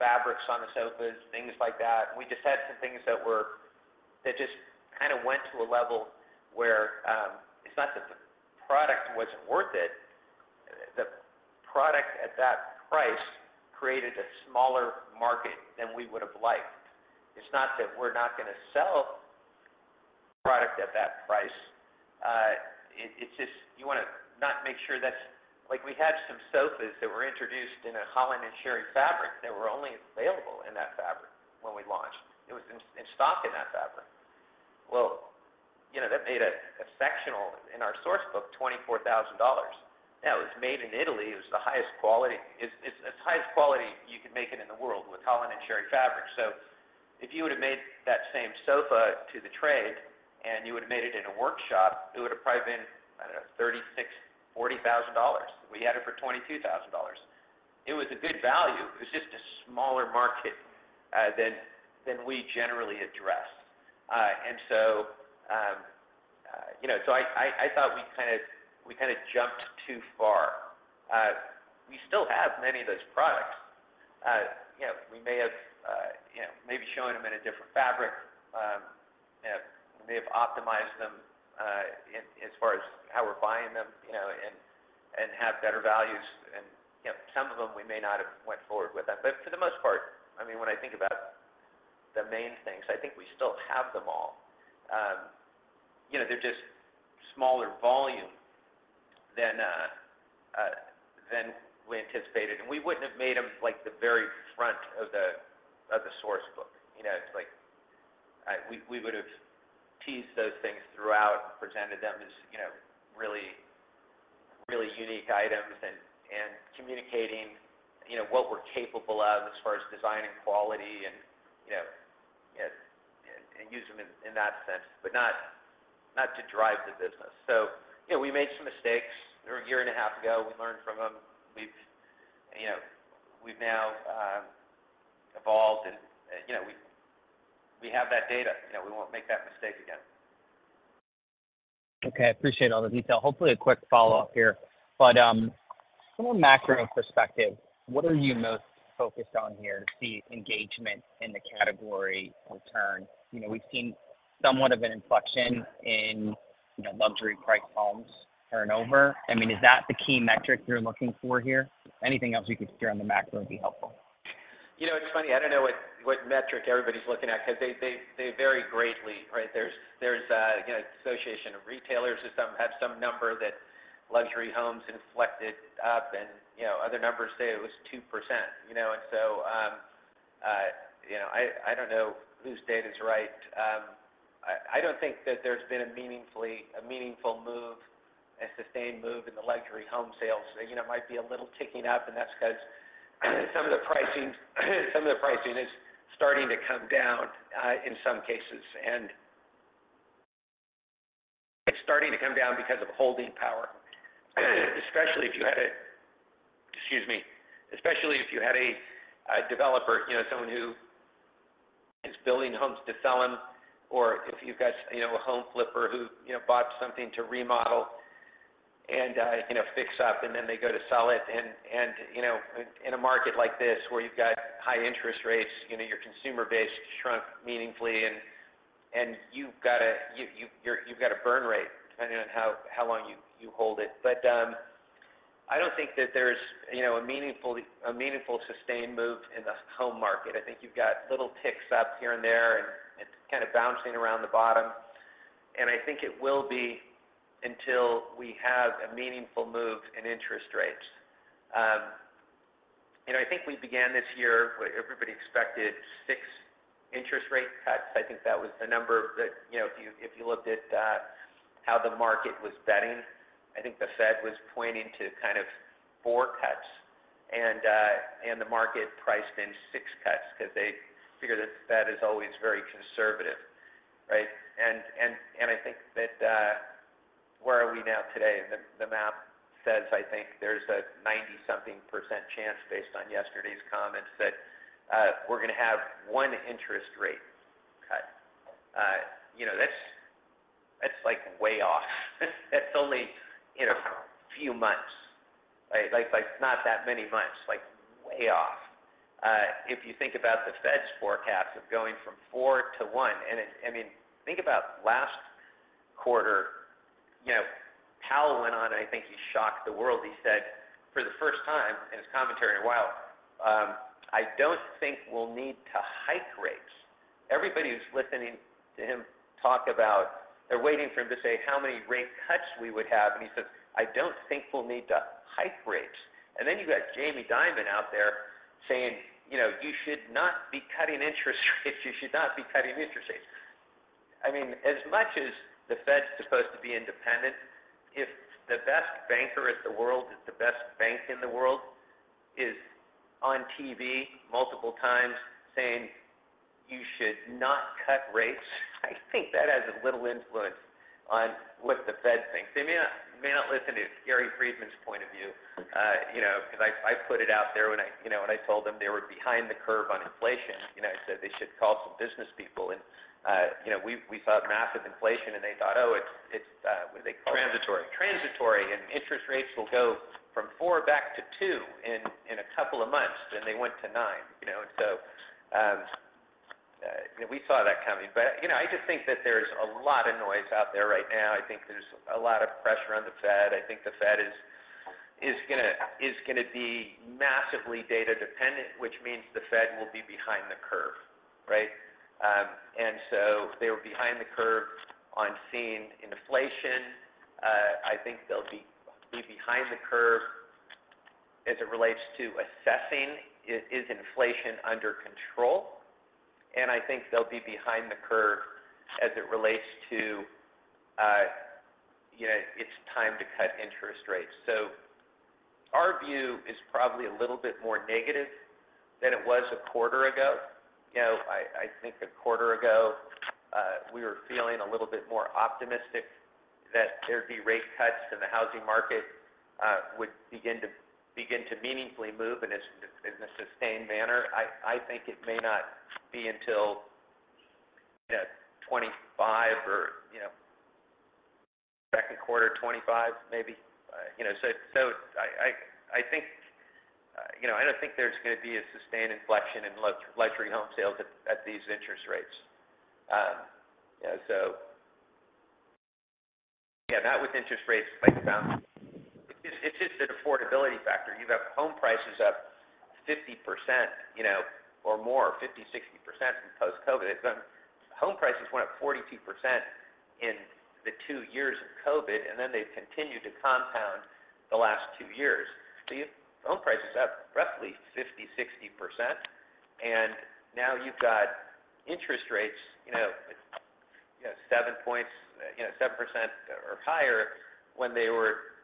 fabrics on the sofas, things like that. We just had some things that just kind of went to a level where, it's not that the product wasn't worth it. The product at that price created a smaller market than we would have liked. It's not that we're not gonna sell product at that price, it's just you want to not make sure that's Like, we had some sofas that were introduced in a Holland & Sherry fabric that were only available in that fabric when we launched. It was in stock in that fabric. Well, you know, that made a sectional in our source book $24,000. Now, it was made in Italy. It was the highest quality. It's as high quality you can make it in the world with Holland & Sherry fabric. So if you would have made that same sofa to the trade, and you would have made it in a workshop, it would have probably been, I don't know, $36,000-$40,000. We had it for $22,000. It was a good value. It was just a smaller market than we generally address. And so, you know, so I thought we kind of jumped too far. We still have many of those products. You know, we may have maybe showing them in a different fabric. You know, we may have optimized them, as far as how we're buying them, you know, and have better values, and, you know, some of them we may not have went forward with them. But for the most part, I mean, when I think about the main things, I think we still have them all. You know, they're just smaller volume than we anticipated, and we wouldn't have made them, like, the very front of the source book. You know, it's like, we would have teased those things throughout and presented them as, you know, really, really unique items and communicating, you know, what we're capable of as far as design and quality and, you know, and use them in that sense, but not to drive the business. So, you know, we made some mistakes. They were a year and a half ago. We learned from them. We've, you know, we've now, evolved and, you know, we, we have that data. You know, we won't make that mistake again. Okay, I appreciate all the detail. Hopefully, a quick follow-up here, but from a macro perspective, what are you most focused on here to see engagement in the category return? You know, we've seen somewhat of an inflection in, you know, luxury price homes turnover. I mean, is that the key metric you're looking for here? Anything else you could share on the macro would be helpful. You know, it's funny. I don't know what metric everybody's looking at because they vary greatly, right? There's you know, Association of Retailers or some have some number that luxury homes inflected up and, you know, other numbers say it was 2%, you know, and so, you know, I don't know whose data is right. I don't think that there's been a meaningful move, a sustained move in the luxury home sales. You know, it might be a little ticking up, and that's 'cause some of the pricing is starting to come down, in some cases, and it's starting to come down because of holding power. Especially if you had a, Excuse me. Especially if you had a developer, you know, someone who is building homes to sell them, or if you've got, you know, a home flipper who, you know, bought something to remodel and, you know, fix up, and then they go to sell it. And you know, in a market like this, where you've got high interest rates, you know, your consumer base shrunk meaningfully and you've got a burn rate, depending on how long you hold it. But I don't think that there's, you know, a meaningful, sustained move in the home market. I think you've got little ticks up here and there, and it's kind of bouncing around the bottom, and I think it will be until we have a meaningful move in interest rates. And I think we began this year, what everybody expected, six interest rate cuts. I think that was the number that, you know, if you, if you looked at, how the market was betting. I think the Fed was pointing to kind of four cuts, and the market priced in six cuts because they figure the Fed is always very conservative, right? And I think that, where are we now today? The map says, I think there's a 90-something% chance based on yesterday's comments that, we're going to have one interest rate cut. You know, that's like way off. That's only, you know, a few months, right? Like not that many months, like, way off. If you think about the Fed's forecast of going from four to one, I mean, think about last quarter, you know, Powell went on, and I think he shocked the world. He said, for the first time in his commentary in a while, "I don't think we'll need to hike rates." Everybody who's listening to him talk about, they're waiting for him to say how many rate cuts we would have, and he says, "I don't think we'll need to hike rates." And then you got Jamie Dimon out there saying, you know, "You should not be cutting interest rates. You should not be cutting interest rates." I mean, as much as the Fed's supposed to be independent, if the best banker in the world, the best bank in the world, is on TV multiple times saying, "You should not cut rates," I think that has a little influence on what the Fed thinks. They may not listen to Gary Friedman's point of view, you know, because I put it out there when I told them they were behind the curve on inflation. You know, I said they should call some business people and, you know, we saw massive inflation, and they thought, oh, it's what do they call it? Transitory. Transitory, and interest rates will go from four back to two in a couple of months, then they went to nine, you know? And so, we saw that coming. But, you know, I just think that there's a lot of noise out there right now. I think there's a lot of pressure on the Fed. I think the Fed is gonna be massively data dependent, which means the Fed will be behind the curve, right? And so they were behind the curve on seeing inflation. I think they'll be behind the curve as it relates to assessing is inflation under control, and I think they'll be behind the curve as it relates to, you know, it's time to cut interest rates. So our view is probably a little bit more negative than it was a quarter ago. You know, I think a quarter ago, we were feeling a little bit more optimistic that there'd be rate cuts and the housing market would begin to meaningfully move in a sustained manner. I think it may not be until, you know, 2025 or, you know, second quarter 2025, maybe. You know, so I think I don't think there's going to be a sustained inflection in luxury home sales at these interest rates. You know, so yeah, not with interest rates like around. It's just an affordability factor. You've got home prices up 50%, you know, or more, 50%, 60% since post-COVID. Home prices went up 42% in the two years of COVID, and then they've continued to compound the last two years. So you've, home prices are up roughly 50%-60%, and now you've got interest rates, you know, seven points, you know, 7% or higher when they were,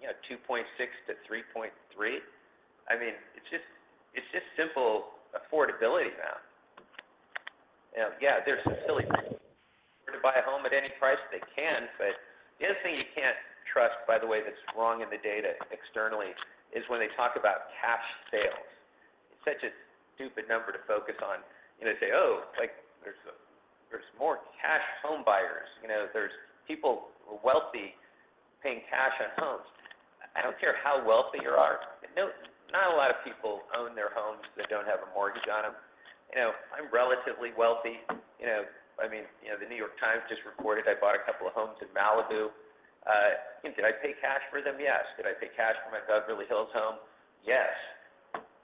you know, 2.6-3.3. I mean, it's just, it's just simple affordability now. You know, yeah, there's some silly people to buy a home at any price they can, but the other thing you can't trust, by the way, that's wrong in the data externally, is when they talk about cash sales. It's such a stupid number to focus on. You know, they say, "Oh, like, there's, there's more cash home buyers, you know, there's people who are wealthy paying cash on homes." I don't care how wealthy you are. No, not a lot of people own their homes that don't have a mortgage on them. You know, I'm relatively wealthy. You know, I mean, you know, The New York Times just reported I bought a couple of homes in Malibu. Did I pay cash for them? Yes. Did I pay cash for my Beverly Hills home? Yes.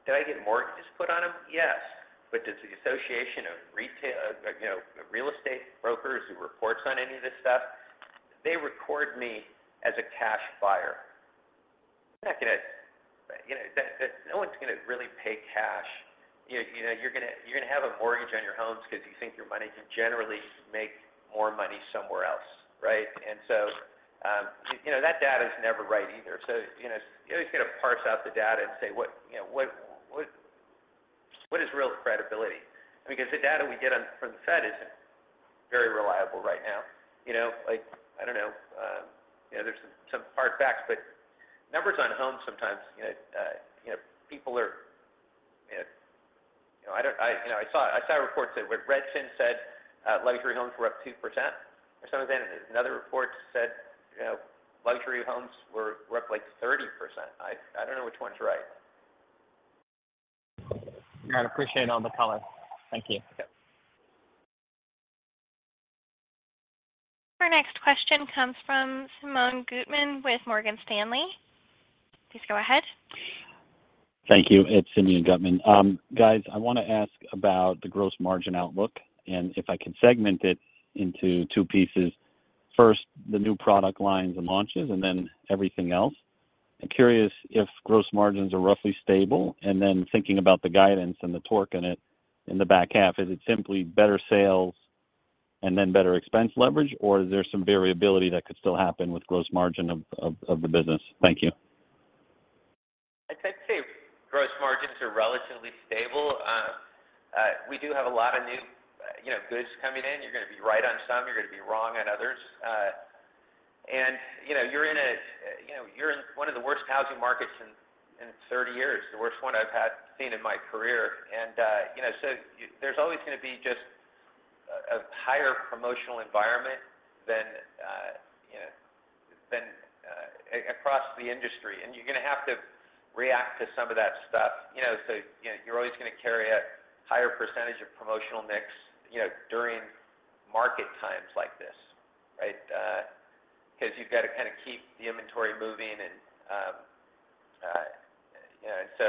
Did I get mortgages put on them? Yes. But does the Association of Retail Real Estate Brokers, who reports on any of this stuff, they record me as a cash buyer. I'm not gonna... You know, that, that no one's gonna really pay cash. You, you know, you're gonna, you're gonna have a mortgage on your homes because you think your money can generally make more money somewhere else, right? And so, you know, that data is never right either. So, you know, you just got to parse out the data and say, what, you know, what, what, what is real credibility? Because the data we get on from the Fed isn't very reliable right now. You know, like, I don't know, you know, there's some hard facts, but numbers on homes sometimes, you know, people are. You know, I don't know. I, you know, I saw a report that Redfin said, luxury homes were up 2% or something like that. Another report said, you know, luxury homes were up like 30%. I don't know which one's right. I appreciate all the comments. Thank you. Okay. Our next question comes from Simeon Gutman with Morgan Stanley. Please go ahead. Thank you. It's Simeon Gutman. Guys, I want to ask about the gross margin outlook, and if I could segment it into two pieces. First, the new product lines and launches, and then everything else. I'm curious if gross margins are roughly stable, and then thinking about the guidance and the torque in it in the back half, is it simply better sales and then better expense leverage, or is there some variability that could still happen with gross margin of the business? Thank you. I'd say gross margins are relatively stable. We do have a lot of new, you know, goods coming in. You're gonna be right on some, you're gonna be wrong on others. And, you know, you're in a, you know, you're in one of the worst housing markets in 30 years, the worst one I've had seen in my career. And, you know, so there's always gonna be just a higher promotional environment than, you know, across the industry, and you're gonna have to react to some of that stuff. You know, so, you know, you're always gonna carry a higher percentage of promotional mix, you know, during market times like this, right? Because you've got to kind of keep the inventory moving and, you know, so,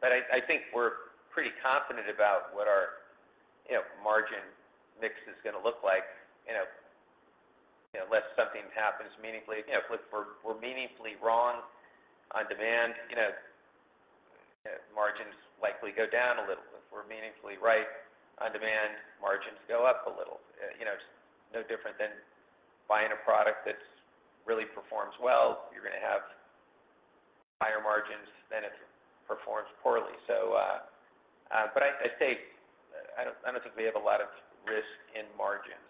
But I think we're pretty confident about what our, you know, margin mix is gonna look like, you know, unless something happens meaningfully. You know, if we're meaningfully wrong on demand, you know, margins likely go down a little bit. If we're meaningfully right on demand, margins go up a little. You know, it's no different than buying a product that's really performs well, you're gonna have higher margins than if it performs poorly. So, but I'd say, I don't think we have a lot of risk in margins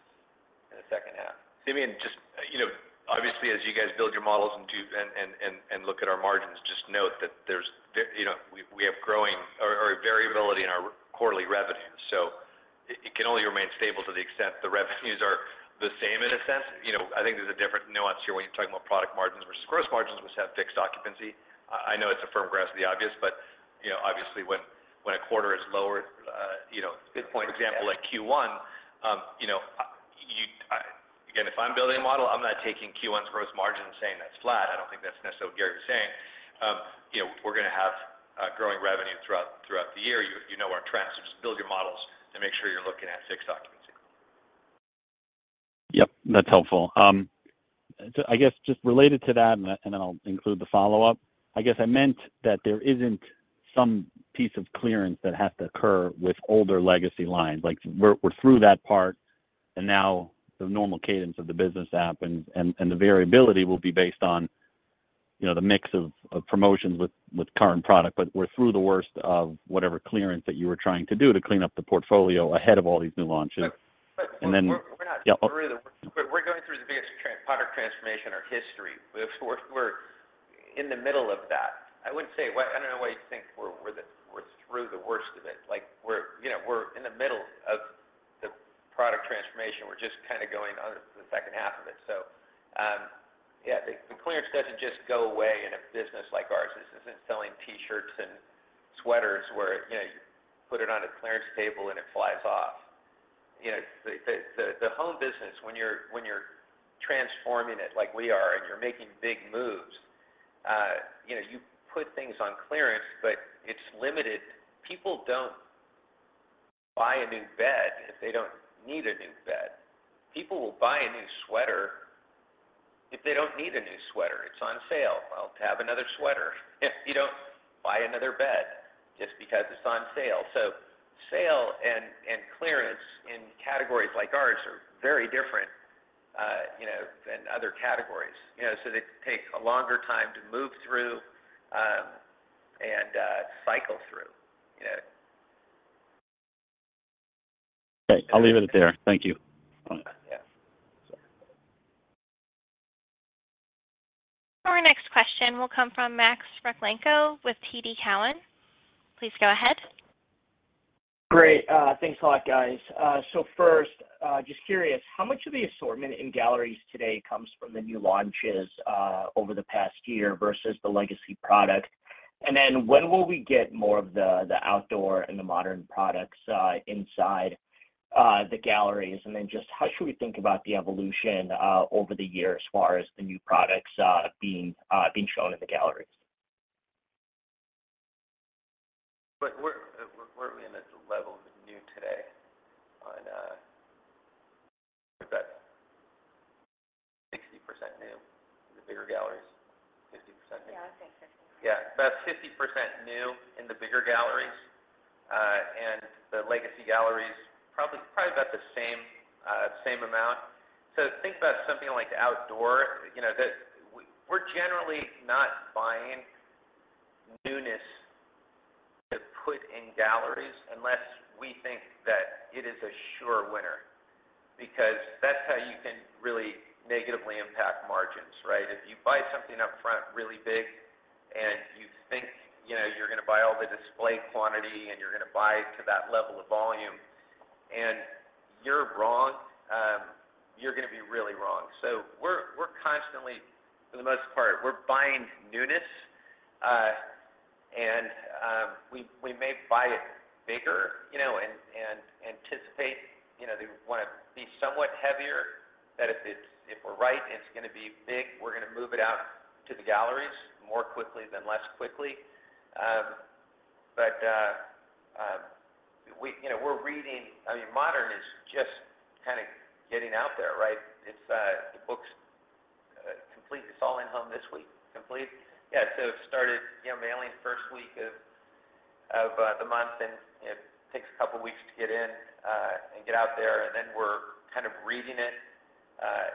in the second half. Simeon, just, you know, obviously, as you guys build your models and do and look at our margins, just note that there's, you know, we have growing variability in our quarterly revenues, so it can only remain stable to the extent the revenues are the same in a sense. You know, I think there's a different nuance here when you're talking about product margins versus gross margins, which have fixed occupancy. I know it's a firm grasp of the obvious, but, you know, obviously, when a quarter is lower, you know, Good point. Example, like Q1, you know, Again, if I'm building a model, I'm not taking Q1's gross margin and saying that's flat. I don't think that's necessarily what Gary was saying. You know, we're gonna have a growing revenue throughout the year. You know, our trends, just build your models and make sure you're looking at fixed occupancy. Yep, that's helpful. So I guess just related to that, and then I'll include the follow-up. I guess I meant that there isn't some piece of clearance that has to occur with older legacy lines. Like, we're through that part, and now the normal cadence of the business as planned and the variability will be based on, you know, the mix of promotions with current product. But we're through the worst of whatever clearance that you were trying to do to clean up the portfolio ahead of all these new launches. Right. And the We're not- Yeah. We're going through the biggest product transformation in our history. We're in the middle of that. I wouldn't say what, I don't know why you think we're through the worst of it. Like, you know, we're in the middle of the product transformation. We're just kind of going on to the second half of it. So, yeah, the clearance doesn't just go away in a business like ours. This isn't selling T-shirts and sweaters where, you know, you put it on a clearance table and it flies off. You know, the home business, when you're transforming it like we are and you're making big moves, you know, you put things on clearance, but it's limited. People don't buy a new bed if they don't need a new bed. People will buy a new sweater if they don't need a new sweater. It's on sale. I'll have another sweater. You don't buy another bed just because it's on sale. So sale and clearance in categories like ours are very different, you know, than other categories. You know, so they take a longer time to move through and cycle through, you know? Okay. I'll leave it there. Thank you. Yeah, sure. Our next question will come from Max Rakhlenko with TD Cowen. Please go ahead. Great. Thanks a lot, guys. So first, just curious, how much of the assortment in galleries today comes from the new launches over the past year versus the legacy product? And then when will we get more of the outdoor and the modern products inside the galleries? And then just how should we think about the evolution over the years as far as the new products being shown in the galleries? But we're in a level of new today on about 60% new in the bigger galleries. 50% new? Yeah, I'd say 50%. Yeah, about 50% new in the bigger galleries, and the legacy galleries, probably, probably about the same, same amount. So think about something like outdoor, you know, that we're generally not buying newness to put in galleries unless we think that it is a sure winner, because that's how you can really negatively impact margins, right? If you buy something up front, really big, and you think, you know, you're gonna buy all the display quantity, and you're gonna buy to that level of volume, and you're wrong, you're gonna be really wrong. So we're constantly, for the most part, we're buying newness, and we may buy it bigger, you know, and anticipate, you know, they wanna be somewhat heavier, that if it's if we're right and it's gonna be big, we're gonna move it out to the galleries more quickly than less quickly. But we, you know, we're reading. I mean, modern is just kind of getting out there, right? It's the book's complete. It's all in home this week. Complete? Yeah, so started, you know, mailing first week of the month, and it takes a couple weeks to get in and get out there, and then we're kind of reading it,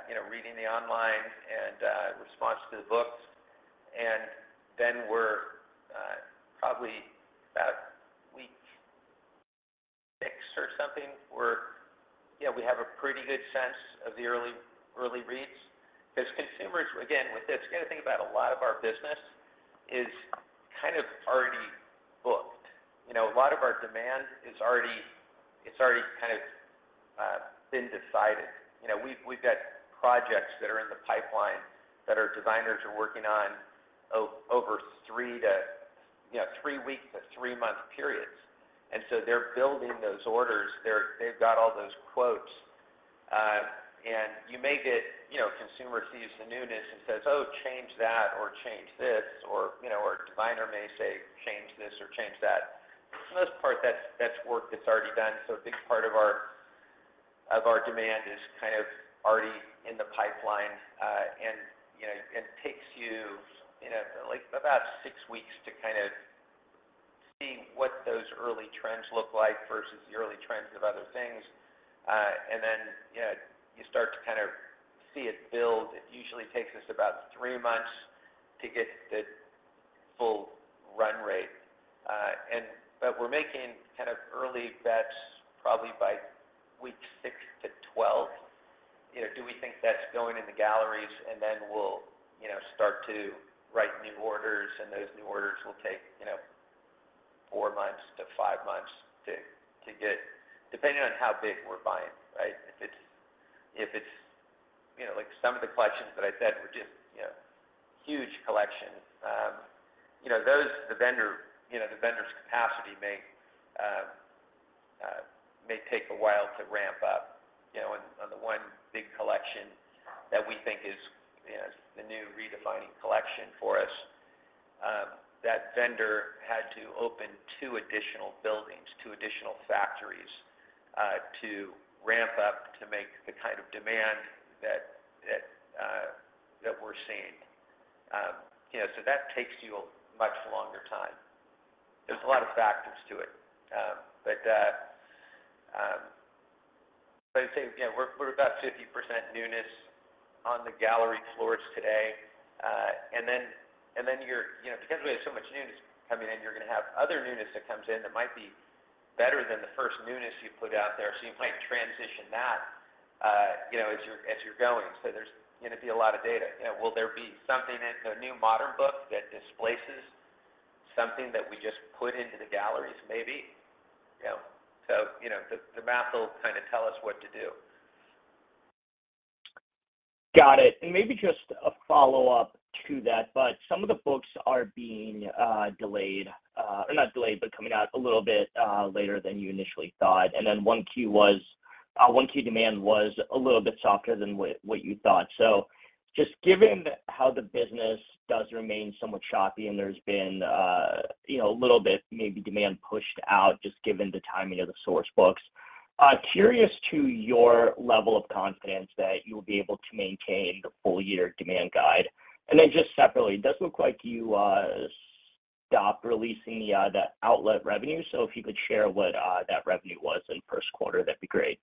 you know, reading the online and response to the books. And then we're probably about week six or something. You know, we have a pretty good sense of the early, early reads. Because consumers, again, with this, you gotta think about a lot of our business is kind of already booked. You know, a lot of our demand is already, it's already kind of been decided. You know, we've, we've got projects that are in the pipeline that our designers are working on over three to, you know, three weeks to three month periods. And so they're building those orders. They're. They've got all those quotes. And you may get, you know, consumer sees the newness and says, "Oh, change that," or, "Change this," or, you know, or designer may say, "Change this or change that." For the most part, that's, that's work that's already done. So a big part of our demand is kind of already in the pipeline. And, you know, it takes you, you know, like about 6 weeks to kind of see what those early trends look like versus the early trends of other things. And then, you know, you start to kind of see it build. It usually takes us about three months to get the full run rate. And but we're making kind of early bets probably by weeks six to 12. You know, do we think that's going in the galleries? And then we'll, you know, start to write new orders, and those new orders will take, you know, four to five months to, to get depending on how big we're buying, right? If it's, you know, like some of the collections that I said were just, you know, huge collections, you know, those, the vendor, you know, the vendor's capacity may take a while to ramp up. You know, on the one big collection that we think is, you know, the new redefining collection for us, that vendor had to open two additional buildings, two additional factories, to ramp up to make the kind of demand that we're seeing. You know, so that takes you a much longer time. There's a lot of factors to it. So I'd say, you know, we're about 50% newness on the gallery floors today. And then you're, You know, because we have so much newness coming in, you're gonna have other newness that comes in that might be better than the first newness you put out there, so you might transition that, you know, as you're, as you're going. So there's gonna be a lot of data. You know, will there be something in the new modern book that displaces something that we just put into the galleries? Maybe. You know, so, you know, the math will kind of tell us what to do. Got it. Maybe just a follow-up to that, but some of the books are being delayed, or not delayed, but coming out a little bit later than you initially thought. Then one key demand was a little bit softer than what you thought. So just given how the business does remain somewhat choppy, and there's been, you know, a little bit maybe demand pushed out, just given the timing of the source books, curious to your level of confidence that you'll be able to maintain the full-year demand guide. Then just separately, it does look like you stopped releasing the outlet revenue. So if you could share what that revenue was in first quarter, that'd be great.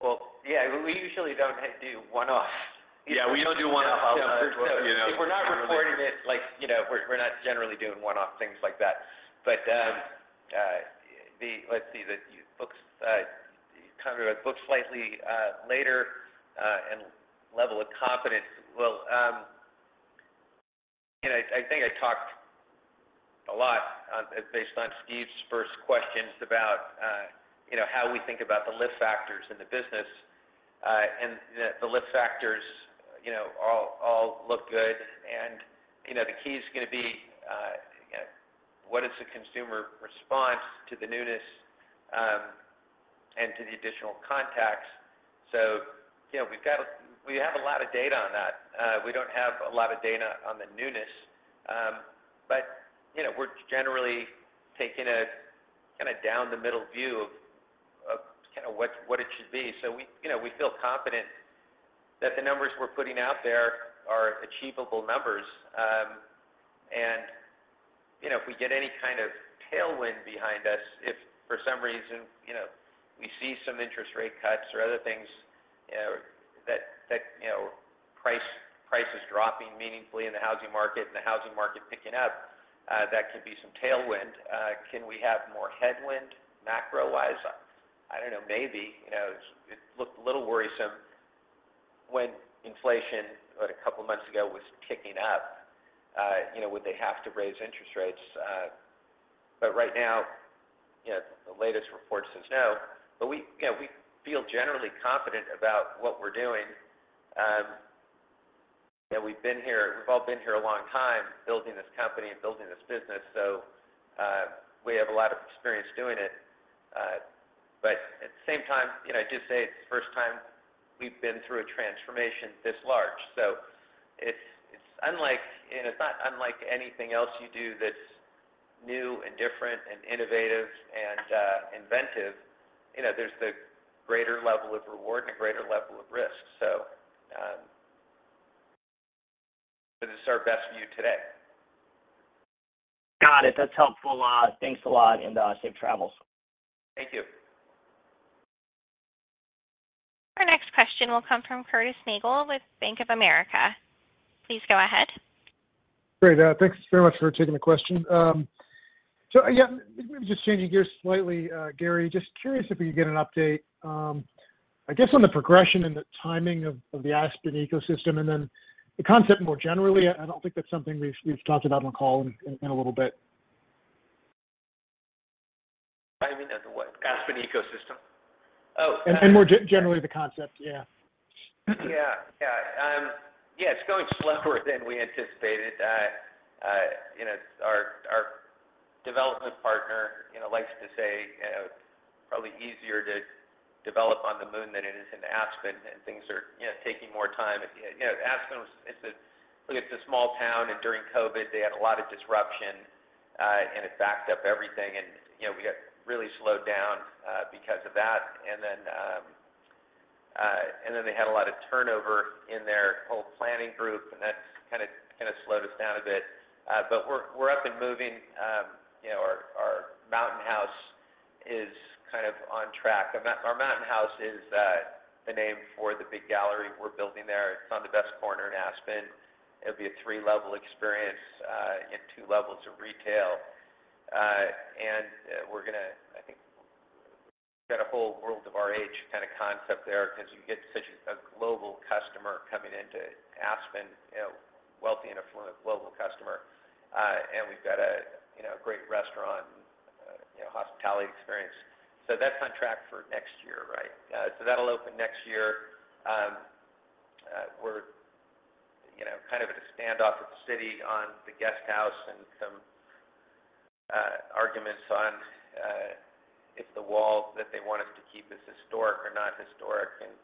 Well, yeah, we usually don't do one-off. Yeah, we don't do one-off, you know. If we're not reporting it, like, you know, we're not generally doing one-off things like that. But the books coming with books slightly later and level of confidence. Well, you know, I think I talked a lot on, based on Steve's first questions about, you know, how we think about the lift factors in the business, and the lift factors, you know, all look good. And, you know, the key is gonna be, you know, what is the consumer response to the newness, and to the additional contacts? So, you know, we've got a, we have a lot of data on that. We don't have a lot of data on the newness. But, you know, we're generally taking a kind of down the middle view of kind of what it should be. So we, you know, we feel confident that the numbers we're putting out there are achievable numbers. And, you know, if we get any kind of tailwind behind us, if for some reason, you know, we see some interest rate cuts or other things, that you know prices dropping meaningfully in the housing market and the housing market picking up, that could be some tailwind. Can we have more headwind macro-wise? I don't know. Maybe. You know, it looked a little worrisome when inflation, about a couple of months ago, was kicking up. You know, would they have to raise interest rates? But right now, you know, the latest report says no. But we, you know, we feel generally confident about what we're doing. You know, we've been here. we've all been here a long time building this company and building this business, so we have a lot of experience doing it. But at the same time, you know, I just say it's the first time we've been through a transformation this large. So it's, it's unlike, and it's not unlike anything else you do that's new and different and innovative and inventive. You know, there's the greater level of reward and a greater level of risk. So, but it's our best view today. Got it. That's helpful, thanks a lot, and safe travels. Thank you. Our next question will come from Curtis Nagle with Bank of America. Please go ahead. Great, thanks very much for taking the question. So, yeah, just changing gears slightly, Gary, just curious if we could get an update, I guess, on the progression and the timing of the Aspen ecosystem, and then the concept more generally. I don't think that's something we've talked about on the call in a little bit. I mean, at the what? Aspen ecosystem? Oh More generally the concept, yeah. Yeah, yeah. Yeah, it's going slower than we anticipated. You know, our development partner, you know, likes to say, probably easier to develop on the moon than it is in Aspen, and things are, you know, taking more time. And, you know, Aspen was. It's a, look, it's a small town, and during COVID, they had a lot of disruption, and it backed up everything. And, you know, we got really slowed down, because of that. And then, and then they had a lot of turnover in their whole planning group, and that's kind of slowed us down a bit. But we're up and moving. You know, our mountain house is kind of on track. Our mountain house is the name for the big gallery we're building there. It's on the best corner in Aspen. It'll be a three-level experience, and two levels of retail. And, we're gonna, I think, get a whole World of RH kind of concept there, 'cause you get such a global customer coming into Aspen, you know, wealthy and affluent global customer. And we've got a, you know, great restaurant, you know, hospitality experience. So that's on track for next year, right? So that'll open next year. We're, you know, kind of at a standoff with the city on the Guest House and some, arguments on, if the wall that they want us to keep is historic or not historic. And,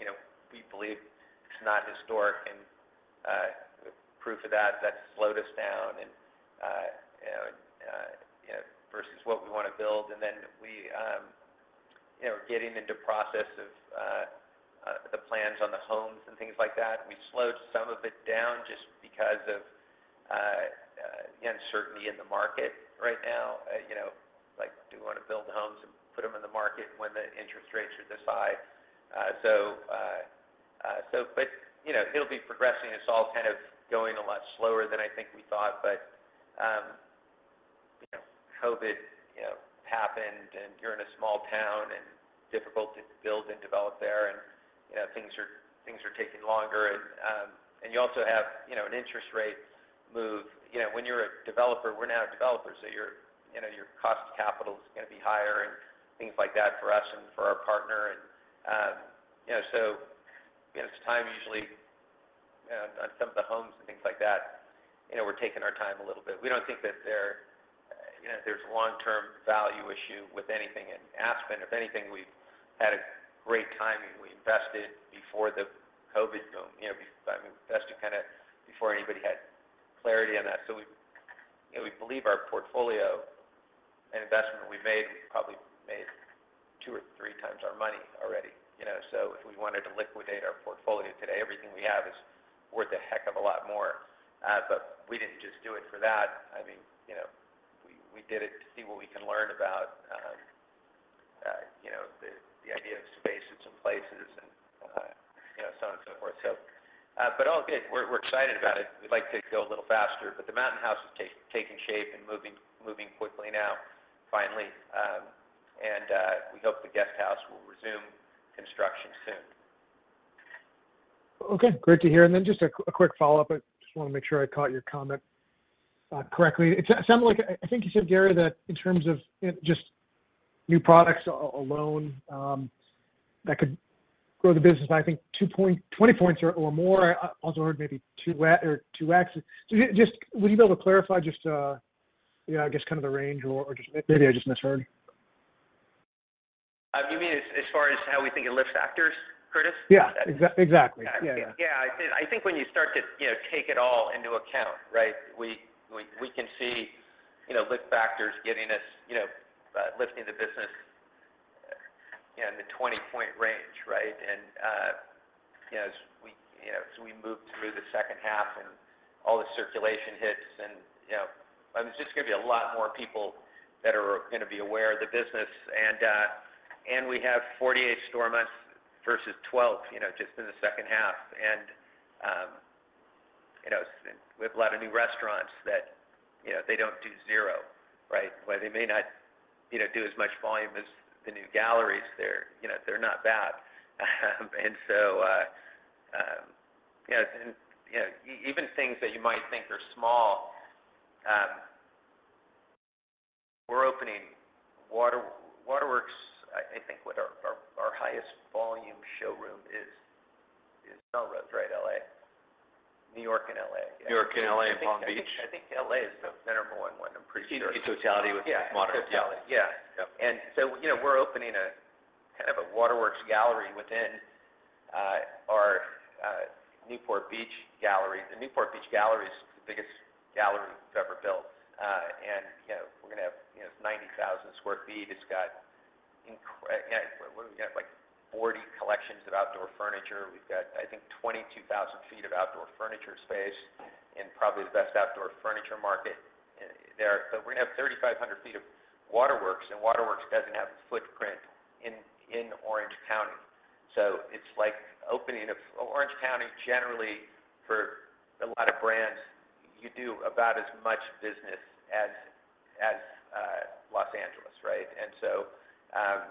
you know, we believe it's not historic, and, proof of that, that's slowed us down and, you know, versus what we want to build. And then we, you know, getting into process of the plans on the homes and things like that, we slowed some of it down just because of uncertainty in the market right now. You know, like, do we want to build homes and put them in the market when the interest rates are this high? So, but, you know, it'll be progressing. It's all kind of going a lot slower than I think we thought. But, you know, COVID, you know, happened, and you're in a small town, and difficult to build and develop there. And, you know, things are taking longer. And you also have, you know, an interest rate move. You know, when you're a developer, we're now a developer, so your, you know, your cost to capital is gonna be higher and things like that for us and for our partner. You know, so, you know, it's time usually on some of the homes and things like that, you know, we're taking our time a little bit. We don't think that there, you know, there's a long-term value issue with anything in Aspen. If anything, we've had a great timing. We invested before the COVID boom, you know, I mean, invested kind of before anybody had clarity on that. So we, you know, we believe our portfolio and investment we made, probably made two or three times our money already, you know. So if we wanted to liquidate our portfolio today, everything we have is worth a heck of a lot more. But we didn't just do it for that. I mean, you know, we did it to see what we can learn about, you know, the idea of space and some places and, you know, so on and so forth. So, but all good. We're excited about it. We'd like to go a little faster, but the mountain house is taking shape and moving quickly now, finally. And we hope the guest house will resume construction soon. Okay, great to hear. Then just a quick follow-up. I just want to make sure I caught your comment correctly. It sounds like... I think you said, Gary, that in terms of, you know, just new products alone, that could grow the business by, I think, 20 points or more. I also heard maybe two or 2x. So just, would you be able to clarify just, you know, I guess, kind of the range or just maybe I just misheard? You mean as far as how we think it lifts factors, Curtis? Yeah, exactly. Yeah. Yeah. Yeah. I think, I think when you start to, you know, take it all into account, right? We, we, we can see, you know, lift factors getting us, you know, lifting the business, you know, in the 20-point range, right? And, you know, as we, you know, as we move through the second half and all the circulation hits, and, you know, and there's just gonna be a lot more people that are gonna be aware of the business. And, and we have 48 store months versus 12, you know, just in the second half. And, you know, we have a lot of new restaurants that, you know, they don't do zero, right? Well, they may not, you know, do as much volume as the new galleries. They're, you know, they're not bad. And so, you know, even things that you might think are small, we're opening Waterworks, I think, with our highest volume showroom. New York and L.A. New York and L.A. and Long Beach. I think L.A. is the center, more than one, I'm pretty sure. Totality with modern. Totality, yeah. Yep. And so, you know, we're opening a kind of a Waterworks gallery within our Newport Beach Gallery. The Newport Beach Gallery is the biggest gallery we've ever built. And, you know, we're gonna have, you know, 90,000 sq ft. It's got incred. Yeah, what do we have? Like, 40 collections of outdoor furniture. We've got, I think, 22,000 sq ft of outdoor furniture space, and probably the best outdoor furniture market there. So we're gonna have 3,500 feet of Waterworks, and Waterworks doesn't have a footprint in Orange County. So it's like opening a Orange County, generally, for a lot of brands, you do about as much business as Los Angeles, right? And so,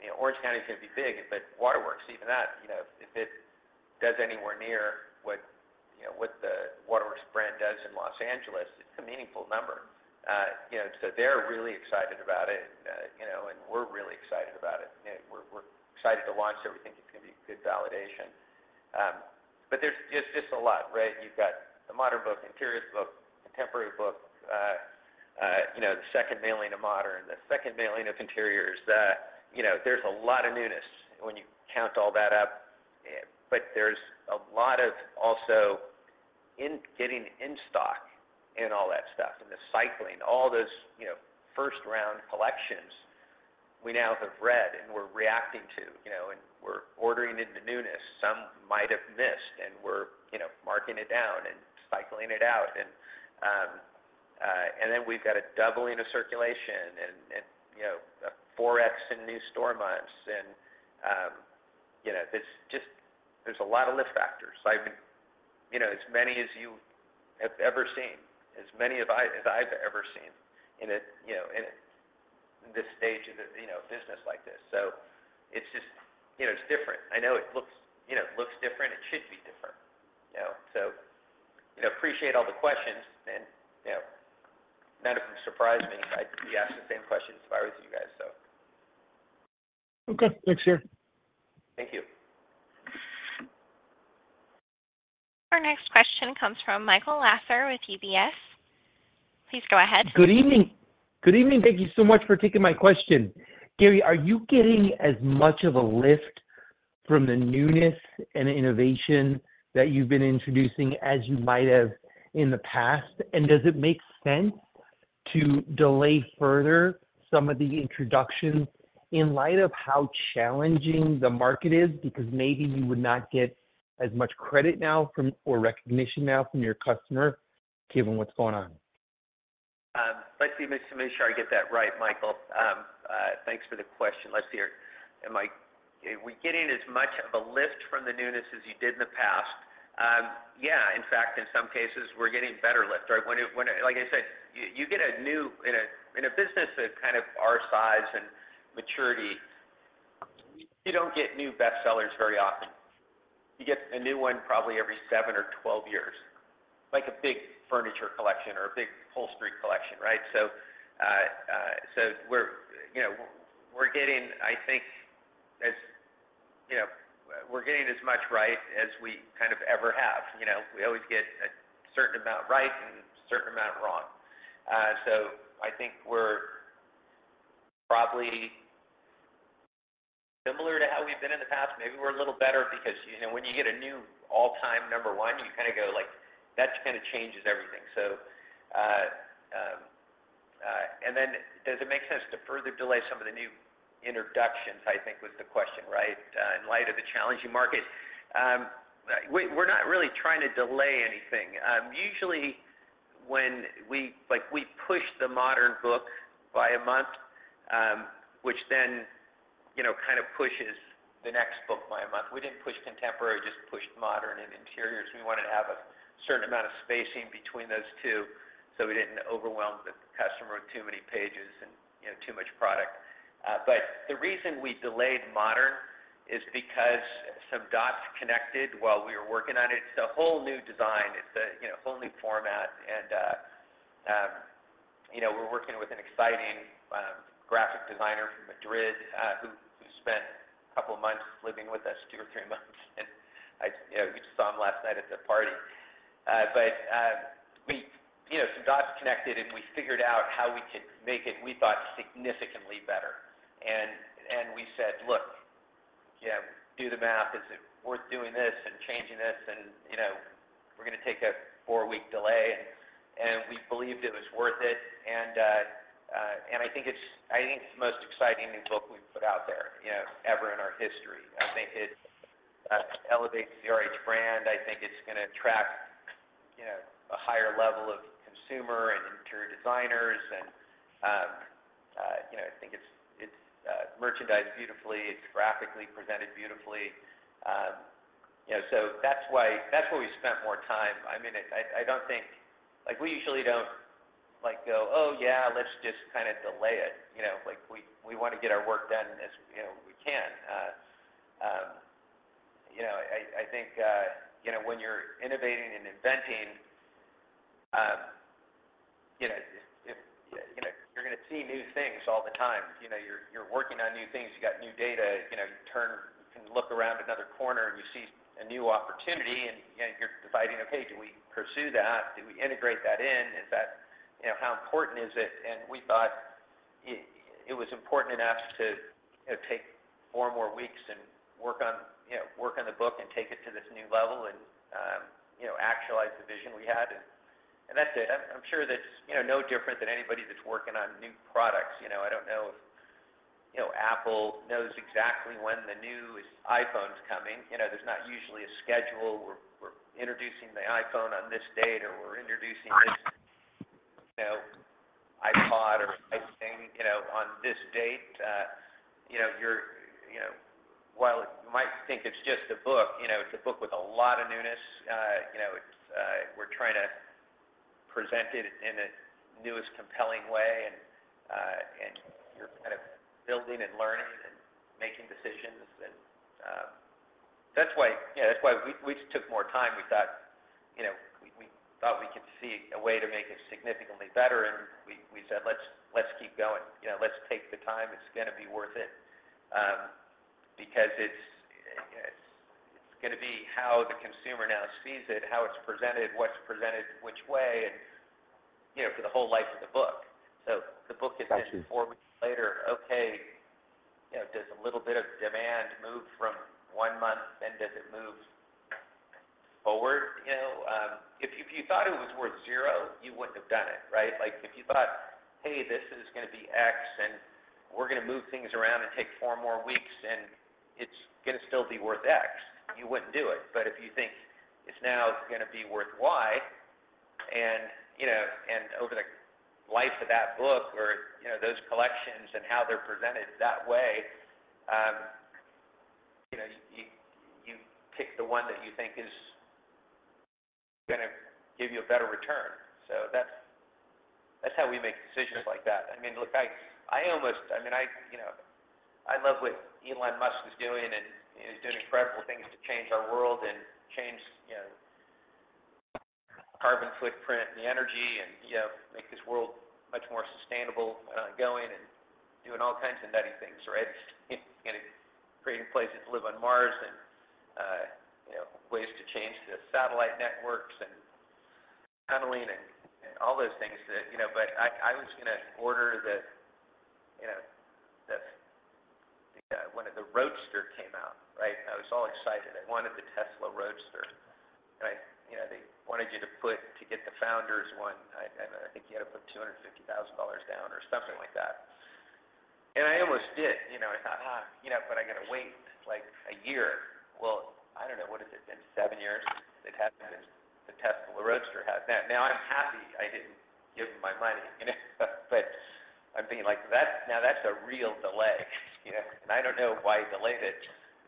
you know, Orange County is gonna be big, but Waterworks, even that, you know, if it does anywhere near what the Waterworks brand does in Los Angeles, it's a meaningful number. You know, so they're really excited about it, you know, and we're really excited about it. And we're excited to launch it. We think it's gonna be a good validation. But there's just a lot, right? You've got the modern book, interiors book, contemporary book, you know, the second mailing of modern, the second mailing of interiors. You know, there's a lot of newness when you count all that up. But there's a lot of also in getting in stock and all that stuff, and the cycling, all those, you know, first-round collections we now have read and we're reacting to, you know, and we're ordering into newness. Some might have missed, and we're, you know, marking it down and cycling it out. And then we've got a doubling of circulation and, and, you know, 4x in new store months. And, you know, it's just, there's a lot of lift factors. I've been, you know, as many as you have ever seen, as many of I, as I've ever seen in a, you know, in, in this stage of the, you know, business like this. So it's just, you know, it's different. I know it looks, you know, it looks different. It should be different, you know? So, you know, appreciate all the questions, and, you know, none of them surprise me. I'd be asked the same questions if I was you guys, so. Okay. Thanks, Gary. Thank you. Our next question comes from Michael Lasser with UBS. Please go ahead. Good evening. Good evening. Thank you so much for taking my question. Gary, are you getting as much of a lift from the newness and innovation that you've been introducing as you might have in the past? And does it make sense to delay further some of the introductions in light of how challenging the market is? Because maybe you would not get as much credit now from, or recognition now from your customer, given what's going on. Let's see, make sure I get that right, Michael. Thanks for the question. Let's see here. Are we getting as much of a lift from the newness as you did in the past? Yeah, in fact, in some cases, we're getting better lift, right? When it, Like I said, you get a new one in a business of kind of our size and maturity, you don't get new best sellers very often. You get a new one probably every seven or 12 years, like a big furniture collection or a big upholstery collection, right? So, we're, you know, getting, I think, as, you know, we're getting as much right as we kind of ever have. You know, we always get a certain amount right and a certain amount wrong. So I think we're probably similar to how we've been in the past. Maybe we're a little better because, you know, when you get a new all-time number one, you kind of go like, that kind of changes everything. Does it make sense to further delay some of the new introductions, I think was the question, right? In light of the challenging market. We're not really trying to delay anything. Usually, when we push the modern book by a month, which then, you know, kind of pushes the next book by a month. We didn't push contemporary, we just pushed modern and interiors. We wanted to have a certain amount of spacing between those two, so we didn't overwhelm the customer with too many pages and, you know, too much product. But the reason we delayed modern is because some dots connected while we were working on it. It's a whole new design. It's a you know, whole new format, and you know, we're working with an exciting graphic designer from Madrid, who spent a couple of months living with us, two or three months, and you know, we just saw him last night at the party. But you know, some dots connected, and we figured out how we could make it, we thought, significantly better. And we said, "Look, yeah, do the math. Is it worth doing this and changing this? And, you know, we're gonna take a four-week delay." We believed it was worth it, and I think it's the most exciting new book we've put out there, you know, ever in our history. I think it elevates the RH brand. I think it's gonna attract, you know, a higher level of consumer and interior designers and, you know, I think it's merchandised beautifully. It's graphically presented beautifully. You know, so that's why, that's why we spent more time. I mean, I don't think, Like, we usually don't, like, go, "Oh, yeah, let's just kind of delay it." You know, like, we want to get our work done as, you know, we can. You know, I think, you know, when you're innovating and inventing, You know, if you know, you're gonna see new things all the time. You know, you're working on new things, you got new data, you know, you turn and look around another corner, and you see a new opportunity, and, you know, you're deciding, okay, do we pursue that? Do we integrate that in? Is that, you know, how important is it? And we thought it was important enough to, you know, take four more weeks and work on, you know, work on the book and take it to this new level and, you know, actualize the vision we had. And that's it. I'm sure that's, you know, no different than anybody that's working on new products. You know, I don't know if, you know, Apple knows exactly when the new iPhone's coming. You know, there's not usually a schedule. We're introducing the iPhone on this date, or we're introducing this, you know, iPod or something, you know, on this date. You know, while you might think it's just a book, you know, it's a book with a lot of newness. You know, we're trying to present it in the newest, compelling way, and you're kind of building and learning and making decisions, and that's why, yeah, that's why we just took more time. We thought, you know, we thought we could see a way to make it significantly better, and we said, "Let's keep going. You know, let's take the time. It's gonna be worth it, because it's gonna be how the consumer now sees it, how it's presented, what's presented, which way, and, you know, for the whole life of the book. So the book is (inaudible) Four weeks later, okay, you know, does a little bit of demand move from one month, then does it move forward? You know, if you, if you thought it was worth zero, you wouldn't have done it, right? Like, if you thought, "Hey, this is gonna be X, and we're gonna move things around and take four more weeks, and it's gonna still be worth X," you wouldn't do it. But if you think, "It's now gonna be worth Y," and, you know, and over the life of that book or, you know, those collections and how they're presented that way, you know, you, you, you pick the one that you think is gonna give you a better return. So that's, that's how we make decisions like that. I mean, look, I, I almost, I mean, you know, I love what Elon Musk is doing and is doing incredible things to change our world and change, you know, carbon footprint and the energy, and, you know, make this world much more sustainable, going and doing all kinds of nutty things, right? You know, creating places to live on Mars and, you know, ways to change the satellite networks and tunneling and all those things that, you know. But I was gonna order the, you know, the, when the Roadster came out, right? I was all excited. I wanted the Tesla Roadster, and I, You know, they wanted you to put, to get the founder's one, I think you had to put $250,000 down or something like that. And I almost did, you know, I thought, "Ah, you know, but I gotta wait, like, a year." Well, I don't know, what has it been, seven years? Since it happened, the Tesla Roadster has. Now, now I'm happy I didn't give them my money, you know? But I'm thinking like, that's, now, that's a real delay, you know? And I don't know why he delayed it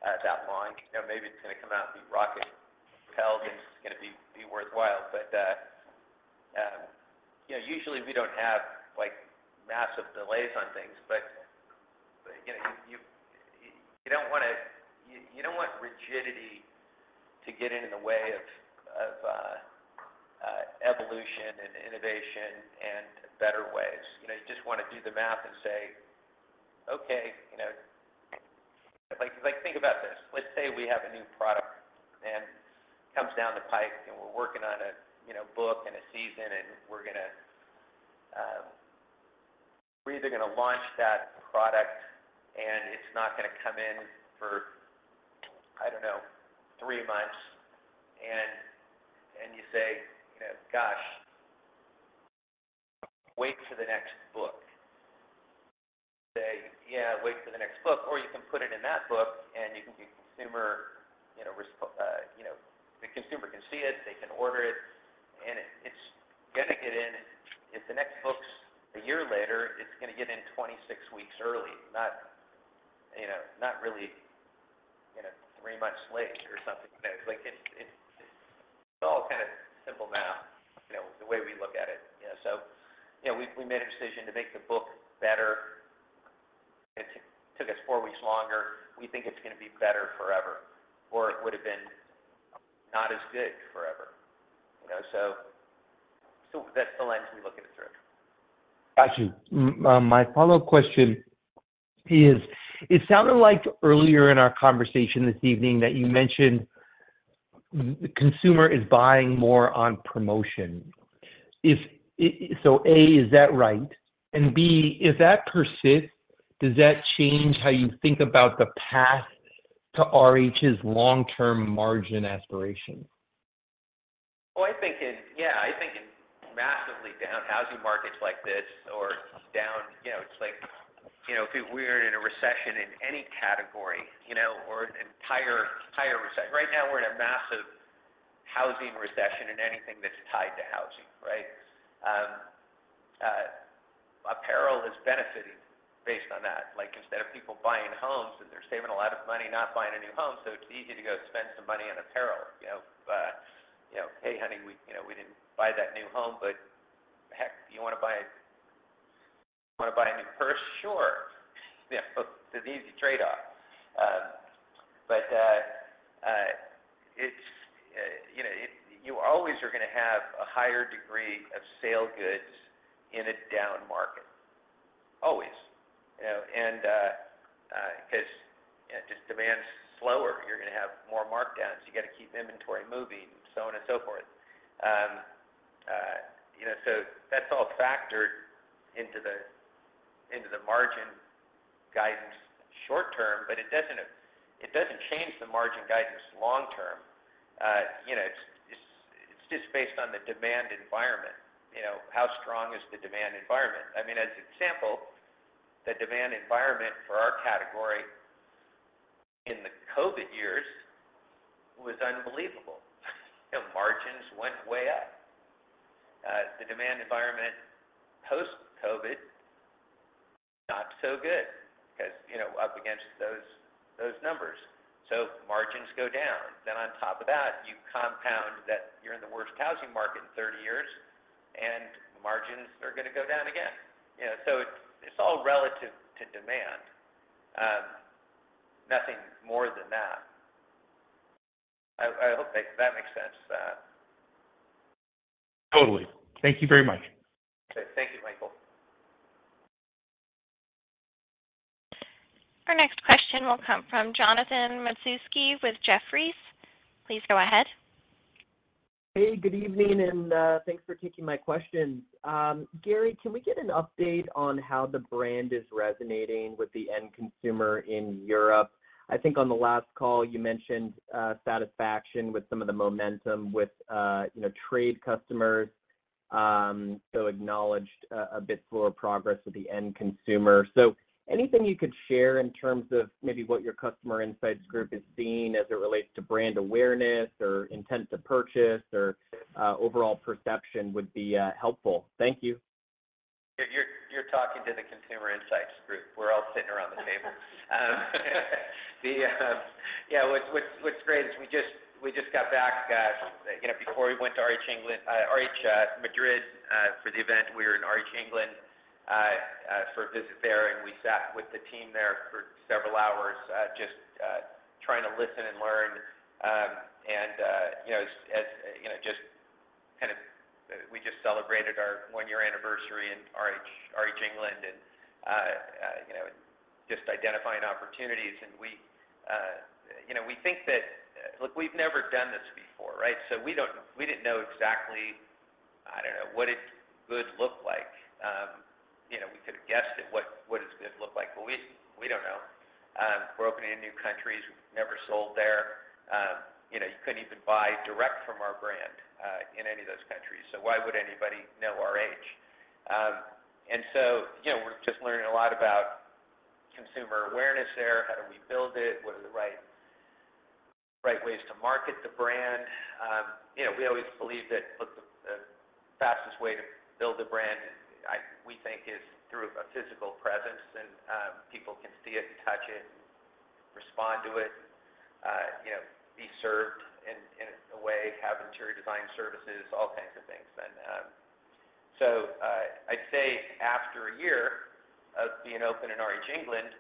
that long. You know, maybe it's gonna come out and be rocket-propelled, and it's gonna be worthwhile. But you know, usually we don't have, like, massive delays on things, but you know, you don't wanna, you don't want rigidity to get in the way of evolution and innovation and better ways. You know, you just wanna do the math and say, "Okay, you know," like, think about this. Let's say we have a new product, and it comes down the pipe, and we're working on a, you know, book and a season, and we're gonna, we're either gonna launch that product, and it's not gonna come in for, I don't know, three months. And you say, you know, "Gosh, wait for the next book." Say, "Yeah, wait for the next book," or you can put it in that book, and you can be consumer, you know, responsive, you know, the consumer can see it, they can order it, and it, it's gonna get in. If the next book's a year later, it's gonna get in 26 weeks early, not, you know, not really, you know, three months late or something like that. It's all kind of simple math, you know, the way we look at it. You know, so, you know, we made a decision to make the book better. It took us four weeks longer. We think it's gonna be better forever, or it would've been not as good forever, you know? So that's the lens we look at it through. Got you. My follow-up question is: It sounded like earlier in our conversation this evening that you mentioned the consumer is buying more on promotion. So, A, is that right? And B, if that persists, does that change how you think about the path to RH's long-term margin aspiration? Well, I think. Yeah, I think in massively down housing markets like this or down, you know, it's like, you know, if we're in a recession in any category, you know, or an entire, entire recession. Right now, we're in a massive housing recession in anything that's tied to housing, right? Apparel has benefited based on that. Like, instead of people buying homes, and they're saving a lot of money, not buying a new home, so it's easy to go spend some money on apparel. You know, you know, "Hey, honey, we, you know, we didn't buy that new home, but heck, do you wanna buy, wanna buy a new purse?" "Sure!" You know, so it's an easy trade-off. You know, it, you always are going to have a higher degree of sale goods in a down market. Always. You know, and because just demand's slower, you're going to have more markdowns. You got to keep inventory moving, so on and so forth. You know, so that's all factored into the margin guidance short term, but it doesn't change the margin guidance long term. You know, it's just based on the demand environment. You know, how strong is the demand environment? I mean, as an example, the demand environment for our category in the COVID years was unbelievable. You know, margins went way up. The demand environment post-COVID, not so good because, you know, up against those numbers. So margins go down. Then on top of that, you compound that you're in the worst housing market in 30 years, and margins are going to go down again. You know, so it's, it's all relative to demand, nothing more than that. I hope that makes sense. Totally. Thank you very much. Thank you, Michael. Our next question will come from Jonathan Matuszewski with Jefferies. Please go ahead. Hey, good evening, and thanks for taking my question. Gary, can we get an update on how the brand is resonating with the end consumer in Europe? I think on the last call, you mentioned satisfaction with some of the momentum with, you know, trade customers, so acknowledged a bit slower progress with the end consumer. So anything you could share in terms of maybe what your customer insights group is seeing as it relates to brand awareness or intent to purchase or overall perception would be helpful. Thank you. You're talking to the consumer insights group. We're all sitting around the table. Yeah, what's great is we just got back, you know, before we went to RH England, RH Madrid, for the event, we were in RH England for a visit there, and we sat with the team there for several hours, just trying to listen and learn. And you know, as you know, just kind of, We just celebrated our one-year anniversary in RH England, and you know, just identifying opportunities. And we, you know, we think that Look, we've never done this before, right? So we don't, we didn't know exactly, I don't know, what it would look like. You know, we could have guessed at what it's going to look like, but we don't know. We're opening in new countries. We've never sold there. You know, you couldn't even buy direct from our brand in any of those countries, so why would anybody know RH? And so, you know, we're just learning a lot about consumer awareness there. How do we build it? What are the right ways to market the brand? You know, we always believe that, look, the fastest way to build the brand, we think, is through a physical presence, and people can see it, touch it, respond to it, you know, be served in a way, have interior design services, all kinds of things. I'd say after a year of being open in RH England,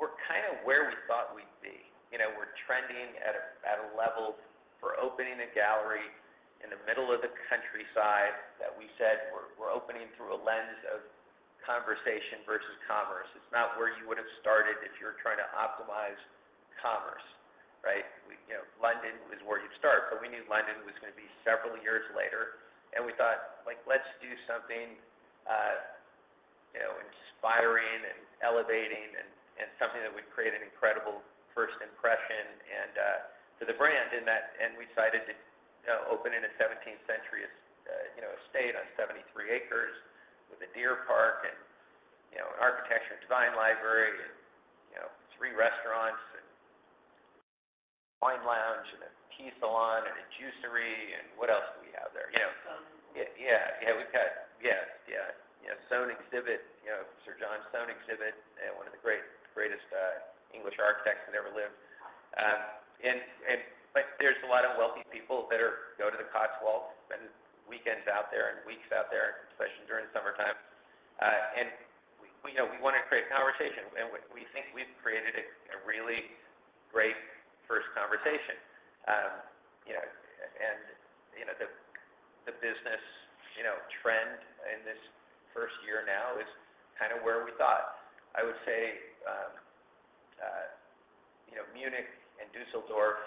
we're kind of where we thought we'd be. You know, we're trending at a level for opening a gallery in the middle of the countryside that we said we're opening through a lens of conversation versus commerce. It's not where you would have started if you were trying to optimize commerce, right? We, You know, London is where you'd start, but we knew London was going to be several years later, and we thought, like, let's do something, you know, inspiring and elevating and something that would create an incredible first impression and to the brand. And that, and we decided to open in a seventeenth-century estate on 73 acres with a deer park and, you know, an architecture and design library and, you know, three restaurants and wine lounge and a tea salon and a juicery. And what else do we have there? You know- Yeah. Yeah, we've got... Yeah. Yeah. You know, Soane exhibit, you know, Sir John Soane exhibit, one of the great, greatest English architects that ever lived. And, and like, there's a lot of wealthy people that go to the Cotswolds, spend weekends out there and weeks out there, especially during summertime. And, you know, we want to create conversation, and we think we've created a really great first conversation. You know, and, you know, the business, you know, trend in this first year now is kind of where we thought. I would say, you know, Munich and Düsseldorf,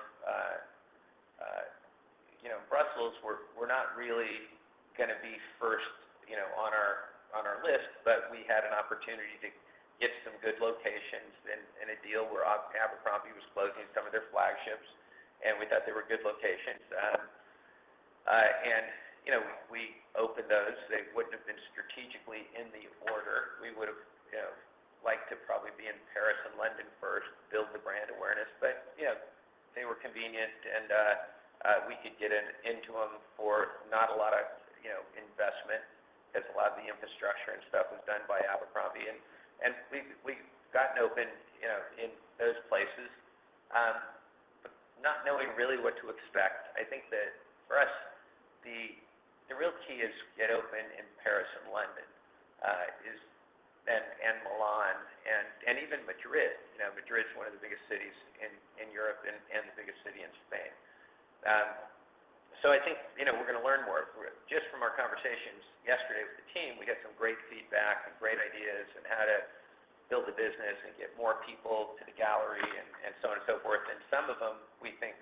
you know, Brussels were not really going to be first, you know, on our list, but we had an opportunity to get some good locations in a deal where Abercrombie was closing some of their flagships, and we thought they were good locations. And, you know, we opened those. They wouldn't have been strategically in the order. We would've, you know, liked to probably be in Paris and London first, build the brand awareness, but, you know, they were convenient and we could get into them for not a lot of, you know, investment, as a lot of the infrastructure and stuff was done by Abercrombie. And we've gotten open, you know, in those places, but not knowing really what to expect. I think that for us, the real key is get open in Paris and London and Milan and even Madrid. You know, Madrid's one of the biggest cities in Europe and the biggest city in Spain. So I think, you know, we're gonna learn more. Just from our conversations yesterday with the team, we got some great feedback and great ideas on how to build the business and get more people to the gallery and so on and so forth. And some of them, we think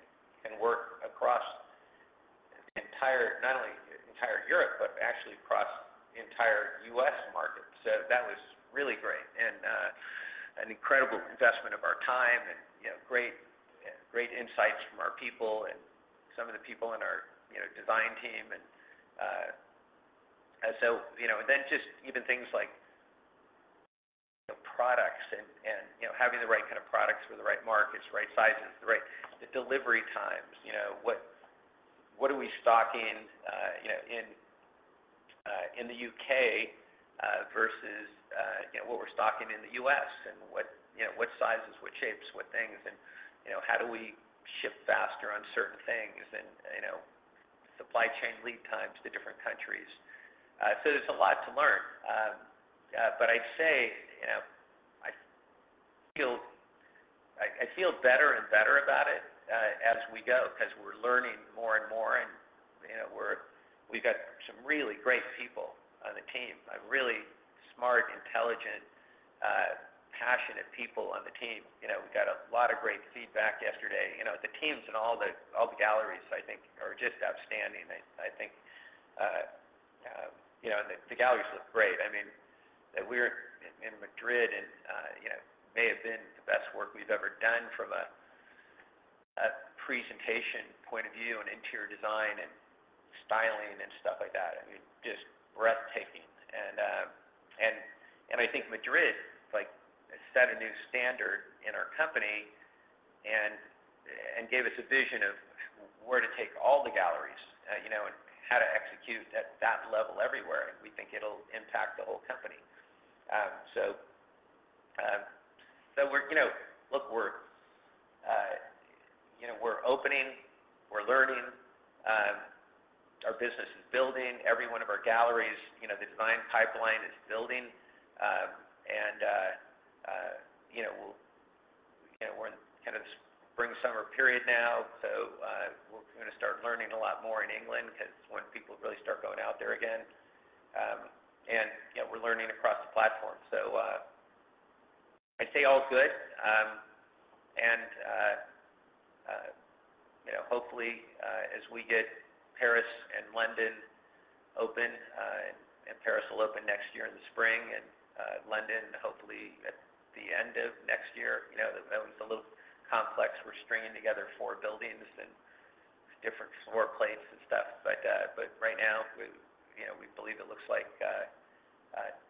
can work across the entire, not only entire Europe, but actually across the entire US market. So that was really great, and, an incredible investment of our time and, you know, great, great insights from our people and some of the people in our, you know, design team. And, and so, you know, and then just even things like the products and, and, you know, having the right kind of products for the right markets, right sizes, the right delivery times. You know, what, what are we stocking, you know, in, in the U.K., versus, you know, what we're stocking in the U.S.? And what, you know, what sizes, what shapes, what things, and, you know, how do we ship faster on certain things and, you know, supply chain lead times to different countries. So there's a lot to learn. But I'd say, you know, I feel better and better about it, as we go, 'cause we're learning more and more, and, you know, we've got some really great people on the team, really smart, intelligent, passionate people on the team. You know, we got a lot of great feedback yesterday. You know, the teams in all the galleries, I think, are just outstanding. I think, you know, the galleries look great. I mean, we're in Madrid and, you know, may have been the best work we've ever done from a presentation point of view and interior design and styling and stuff like that. I mean, just breathtaking. I think Madrid, like, set a new standard in our company and gave us a vision of where to take all the galleries, you know, and how to execute at that level everywhere, and we think it'll impact the whole company. So, we're, You know, look, we're opening, we're learning, our business is building. Every one of our galleries, you know, the design pipeline is building. And, you know, we'll, you know, we're in kind of this spring-summer period now, so, we're gonna start learning a lot more in England, 'cause when people really start going out there again, and, you know, we're learning across the platform. So, I'd say all's good. And, you know, hopefully, as we get Paris and London open, and Paris will open next year in the spring, and London, hopefully at the end of next year, you know, that one's a little complex. We're stringing together four buildings and different store plates and stuff. But right now, we, you know, we believe it looks like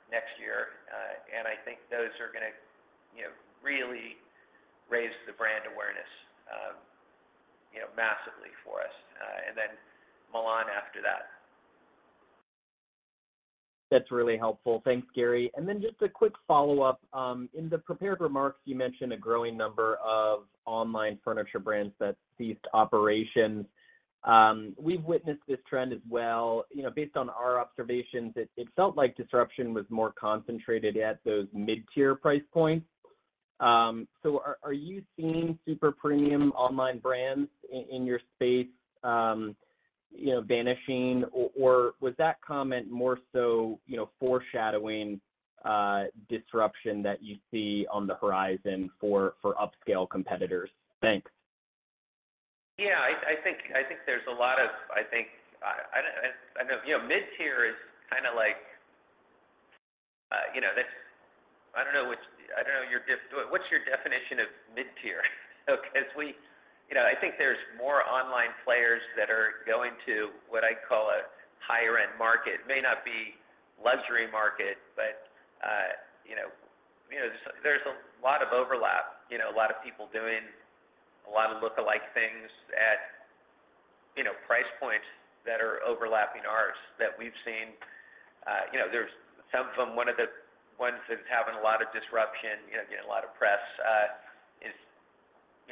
next year. And I think those are gonna, you know, really raise the brand awareness, you know, massively for us, and then Milan after that. That's really helpful. Thanks, Gary. And then just a quick follow-up. In the prepared remarks, you mentioned a growing number of online furniture brands that ceased operations. We've witnessed this trend as well. You know, based on our observations, it felt like disruption was more concentrated at those mid-tier price points. So are you seeing super premium online brands in your space, you know, vanishing, or was that comment more so, you know, foreshadowing disruption that you see on the horizon for upscale competitors? Thanks. Yeah, I think, I think there's a lot of. I think, I know, you know, mid-tier is kind of like, you know, that's. I don't know what's. I don't know your def. What's your definition of mid-tier? Because we. You know, I think there's more online players that are going to, what I'd call, a higher end market. May not be luxury market, but, you know, you know, there's a lot of overlap. You know, a lot of people doing a lot of look-alike things at, you know, price points that are overlapping ours, that we've seen. You know, there's some of them, one of the ones that's having a lot of disruption, you know, getting a lot of press,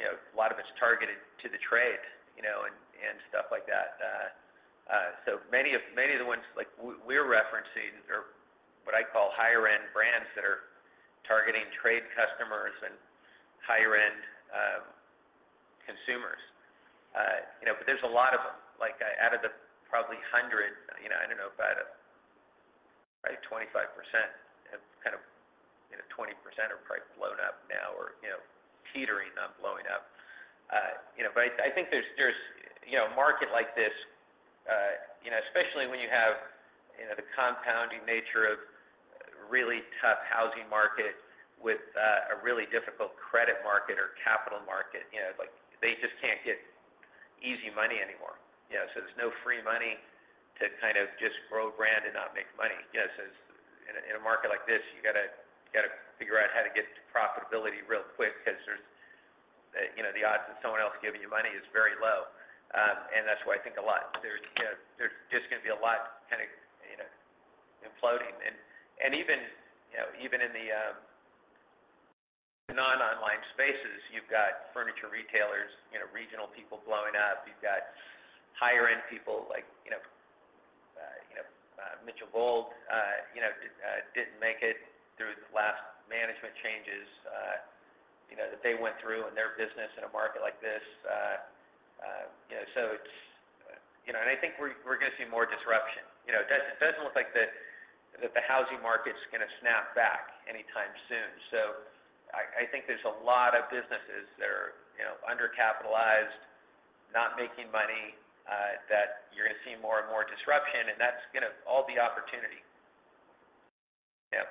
is, you know, a lot of it's targeted to the trade, you know, and stuff like that. So many of the ones like we're referencing are what I call higher end brands that are targeting trade customers and higher end consumers. You know, but there's a lot of them. Like, out of the probably 100, you know, I don't know, about probably 25% have kind of, you know, 20% are probably blown up now or, you know, teetering, not blowing up. You know, but I think there's a market like this, you know, especially when you have, you know, the compounding nature of really tough housing market with a really difficult credit market or capital market, you know, like, they just can't get easy money anymore. You know, so there's no free money to kind of just grow brand and not make money. You know, so in a, in a market like this, you gotta, you gotta figure out how to get to profitability real quick because there's, you know, the odds of someone else giving you money is very low. And that's why I think a lot, there's, you know, there's just gonna be a lot kind of, you know, imploding. And even, you know, even in the, you've got furniture retailers, you know, regional people blowing up. You've got higher-end people like, you know, you know, Mitchell Gold, you know, didn't make it through the last management changes, you know, that they went through in their business in a market like this. You know, so it's. You know, and I think we're, we're gonna see more disruption. You know, it doesn't look like that the housing market's gonna snap back anytime soon. So I think there's a lot of businesses that are, you know, undercapitalized, not making money, that you're gonna see more and more disruption, and that's gonna all be opportunity. Yeah.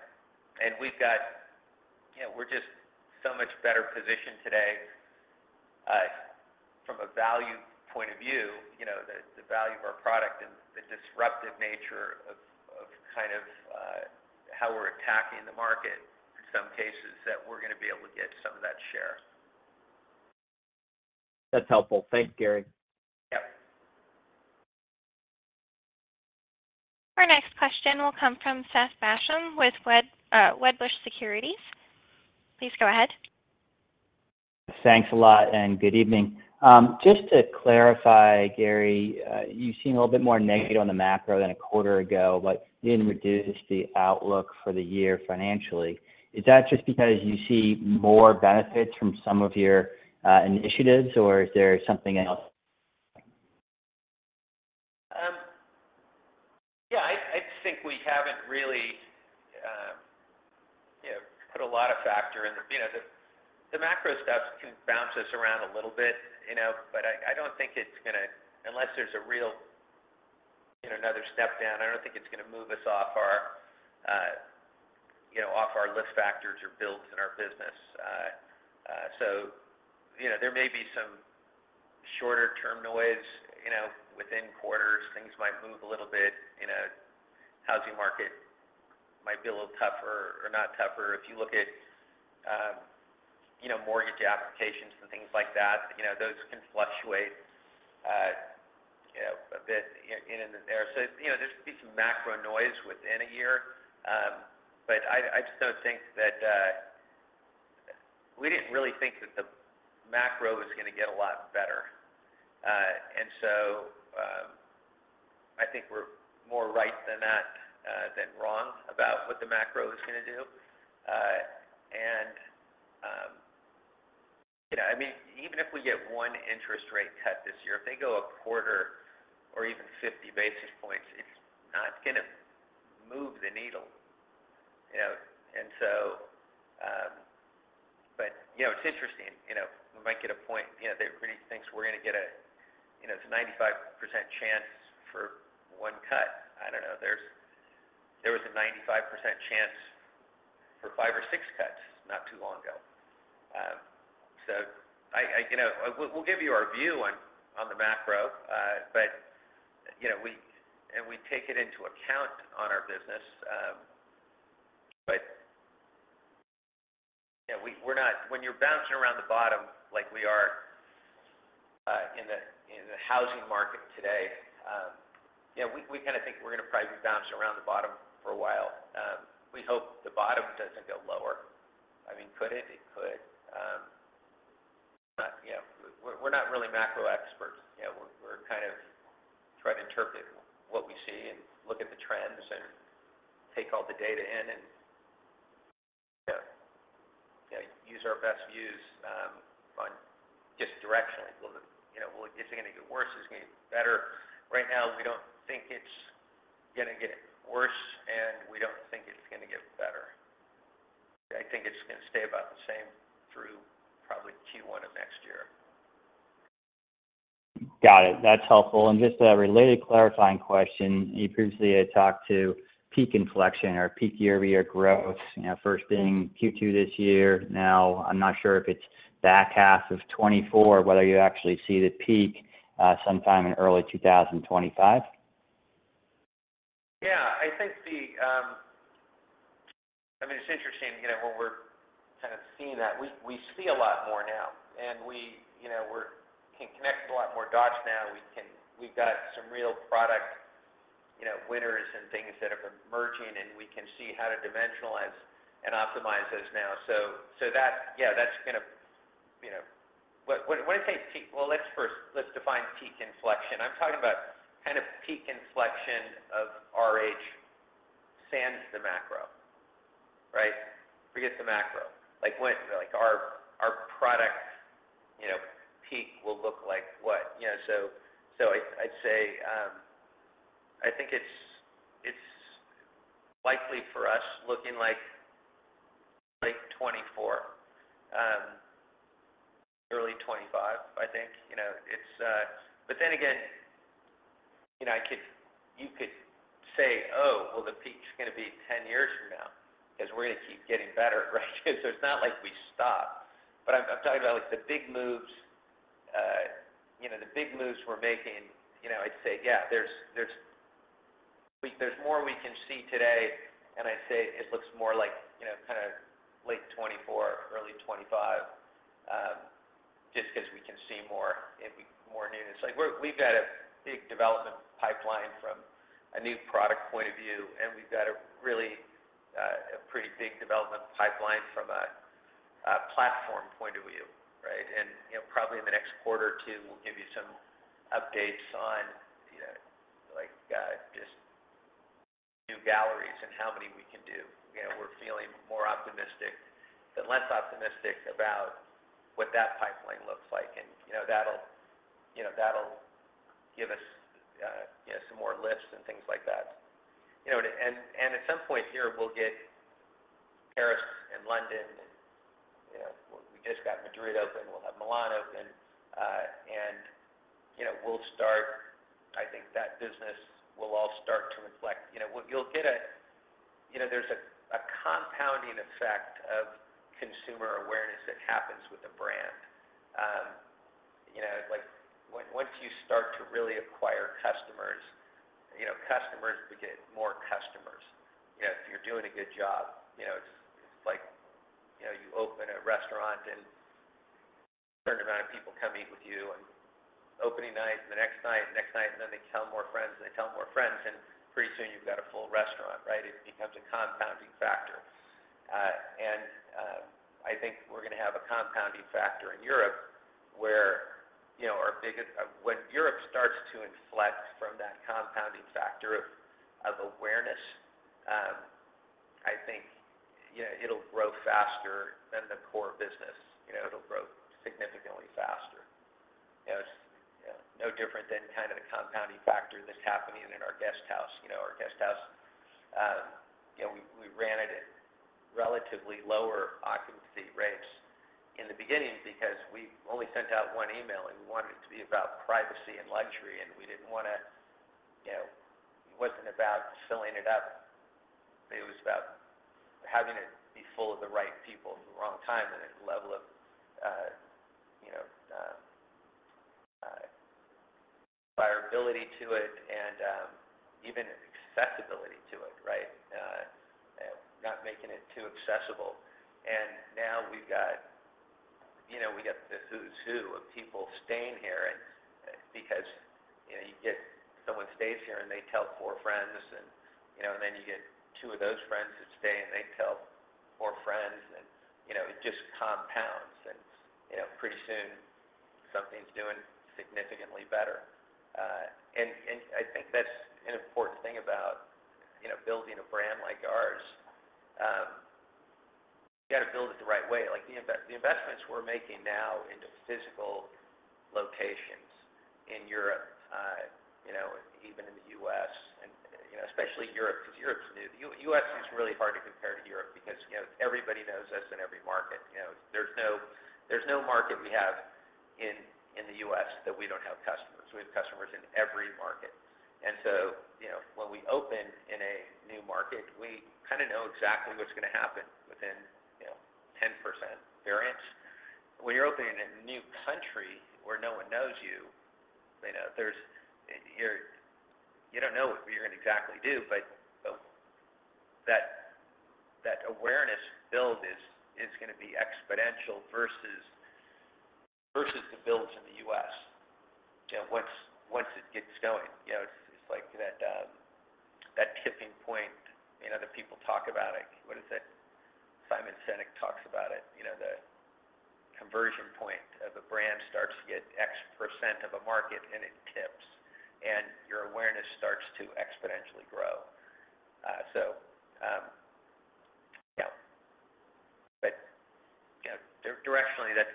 And we've got. You know, we're just so much better positioned today, from a value point of view, you know, the value of our product and the disruptive nature of kind of how we're attacking the market in some cases, that we're gonna be able to get some of that share. That's helpful. Thanks, Gary. Yep. Our next question will come from Seth Basham with Wedbush Securities. Please go ahead. Thanks a lot, and good evening. Just to clarify, Gary, you've seen a little bit more negative on the macro than a quarter ago, but you didn't reduce the outlook for the year financially. Is that just because you see more benefits from some of your initiatives, or is there something else? Yeah, I just think we haven't really, you know, put a lot of factor in the, You know, the macro steps can bounce us around a little bit, you know, but I don't think it's gonna, unless there's a real, you know, another step down, I don't think it's gonna move us off our, you know, off our lift factors or builds in our business. So, you know, there may be some shorter-term noise, you know, within quarters, things might move a little bit. You know, housing market might be a little tougher or not tougher. If you look at, you know, mortgage applications and things like that, you know, those can fluctuate, you know, a bit in there. So, you know, there'll be some macro noise within a year. But I just don't think that, We didn't really think that the macro was gonna get a lot better. And so, I think we're more right than not, than wrong about what the macro is gonna do. And, you know, I mean, even if we get one interest rate cut this year, if they go a quarter or even 50 basis points, it's not gonna move the needle, you know? And so, But, you know, it's interesting, you know, we might get a point, you know, everybody thinks we're gonna get a, you know, it's a 95% chance for one cut. I don't know. There was a 95% chance for five or six cuts not too long ago. So I, You know, we'll give you our view on the macro. But, you know, we and we take it into account on our business. But, you know, we're not. When you're bouncing around the bottom like we are, in the housing market today, you know, we kinda think we're gonna probably bounce around the bottom for a while. We hope the bottom doesn't go lower. I mean, could it? It could. But, you know, we're not really macro experts. You know, we're kind of try to interpret what we see and look at the trends and take all the data in and, you know, use our best views on just directionally. You know, is it gonna get worse? Is it gonna get better? Right now, we don't think it's gonna get worse, and we don't think it's gonna get better. I think it's gonna stay about the same through probably Q1 of next year. Got it. That's helpful. And just a related clarifying question: You previously had talked to peak inflection or peak year-over-year growth, you know, first being Q2 this year. Now, I'm not sure if it's back half of 2024, whether you actually see the peak sometime in early 2025? Yeah, I think the, I mean, it's interesting, you know, when we're kind of seeing that. We see a lot more now, and we, you know, we can connect a lot more dots now. We can. We've got some real product, you know, winners and things that are emerging, and we can see how to dimensionalize and optimize those now. So, so that, yeah, that's gonna, you know, But when I say peak, well, let's first define peak inflection. I'm talking about kind of peak inflection of RH, sans the macro, right? Forget the macro. Like, when, like, our product, you know, peak will look like what? You know, so, so I'd say, I think it's likely for us looking like late 2024, early 2025, I think. You know, it's, But then again, you know, I could you could say, "Oh, well, the peak's gonna be 10 years from now," 'cause we're gonna keep getting better, right? So it's not like we stop. But I'm talking about, like, the big moves, you know, the big moves we're making, you know, I'd say, yeah, there's more we can see today, and I'd say it looks more like, you know, kinda late 2024 or early 2025, just because we can see more and we have more news. Like we've got a big development pipeline from a new product point of view, and we've got a really a pretty big development pipeline from a platform point of view, right? You know, probably in the next quarter or two, we'll give you some updates on, you know, like, just new galleries and how many we can do. You know, we're feeling more optimistic, but less optimistic about what that pipeline looks like. You know, that'll, you know, that'll give us, you know, some more lifts and things like that. You know, and at some point here, we'll get Paris and London and, you know, we just got Madrid open, we'll have Milan open, and, you know, we'll start. I think that business will all start to inflect. You know, what you'll get, you know, there's a compounding effect of consumer awareness that happens with a brand. You know, like, once you start to really acquire customers, you know, customers beget more customers, you know, if you're doing a good job. You know, it's like, you know, you open a restaurant, and turn around and people come eat with you, and opening night, and the next night, and next night, and then they tell more friends, and they tell more friends, and pretty soon you've got a full restaurant, right? It becomes a compounding factor. And, I think we're gonna have a compounding factor in Europe, where, you know, our biggest, when Europe starts to inflect from that compounding factor of awareness, I think, you know, it'll grow faster than the core business. You know, it'll grow significantly faster. You know, it's, you know, no different than kind of the compounding factor that's happening in our guest house. You know, our guest house, you know, we ran it at relatively lower occupancy rates in the beginning because we only sent out one email, and we wanted it to be about privacy and luxury, and we didn't wanna, You know, it wasn't about filling it up. It was about having it be full of the right people at the wrong time, and a level of, you know, desirability to it and, even accessibility to it, right? Not making it too accessible. And now we've got, you know, we got the who's who of people staying here and, because, you know, you get someone stays here, and they tell four friends, and, you know, and then you get two of those friends to stay, and they tell four friends, and, you know, it just compounds. And, you know, pretty soon, something's doing significantly better. And I think that's an important thing about, you know, building a brand like ours. You gotta build it the right way. Like, the investments we're making now into physical locations in Europe, you know, even in the U.S. and, you know, especially Europe, because Europe's new. U.S. is really hard to compare to Europe because, you know, everybody knows us in every market. You know, there's no market we have in the U.S. that we don't have customers. We have customers in every market. And so, you know, when we open in a new market, we kinda know exactly what's gonna happen within, you know, 10% variance. When you're opening in a new country where no one knows you, you know, there's and you don't know what you're gonna exactly do, but that awareness build is gonna be exponential versus the builds in the U.S., you know, once it gets going. You know, it's like that tipping point, you know, that people talk about it. What is it? Simon Sinek talks about it. You know, the conversion point of a brand starts to get X% of a market, and it tips, and your awareness starts to exponentially grow. So, yeah. But, you know, directionally, that,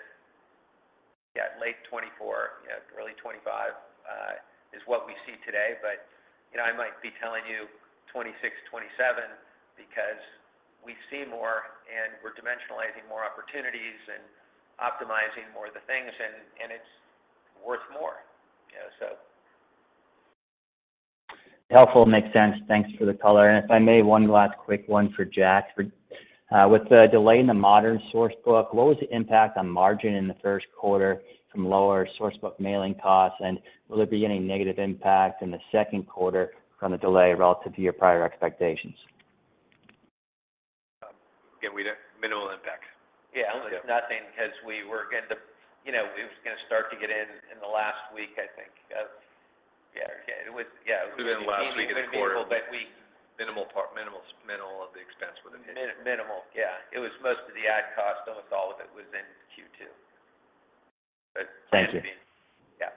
yeah, late 2024, you know, early 2025, is what we see today, but, you know, I might be telling you 2026, 2027, because we see more, and we're dimensionalizing more opportunities and optimizing more of the things, and it's worth more, you know, so. Helpful. Makes sense. Thanks for the color. And if I may, one last quick one for Jack. For, with the delay in the modern source book, what was the impact on margin in the first quarter from lower source book mailing costs? And will there be any negative impact in the second quarter from the delay relative to your prior expectations? Again, we had minimal impact. Yeah, nothing, because we were gonna, you know, it was gonna start to get in in the last week, I think of, Yeah, okay, it was, yeah. It was in the last week of the quarter. Minimal, but minimal part, minimal of the expense was in here. Minimal, yeah. It was most of the ad cost, almost all of it was in Q2. But, Thank you. Yeah.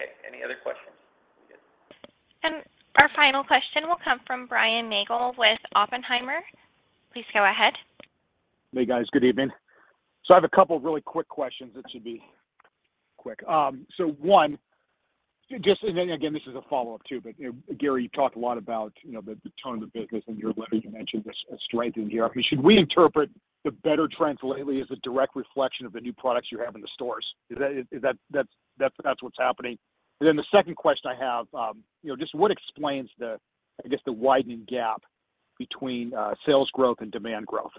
Okay, any other questions? Our final question will come from Brian Nagel with Oppenheimer. Please go ahead. Hey, guys, good evening. So I have a couple of really quick questions that should be quick. So one, just, and then again, this is a follow-up too, but you know, Gary, you talked a lot about you know, the tone of the business and your letter, you mentioned the strength in Europe. I mean, should we interpret the better trends lately as a direct reflection of the new products you have in the stores? Is that what's happening? And then the second question I have, you know, just what explains the, I guess, the widening gap between sales growth and demand growth?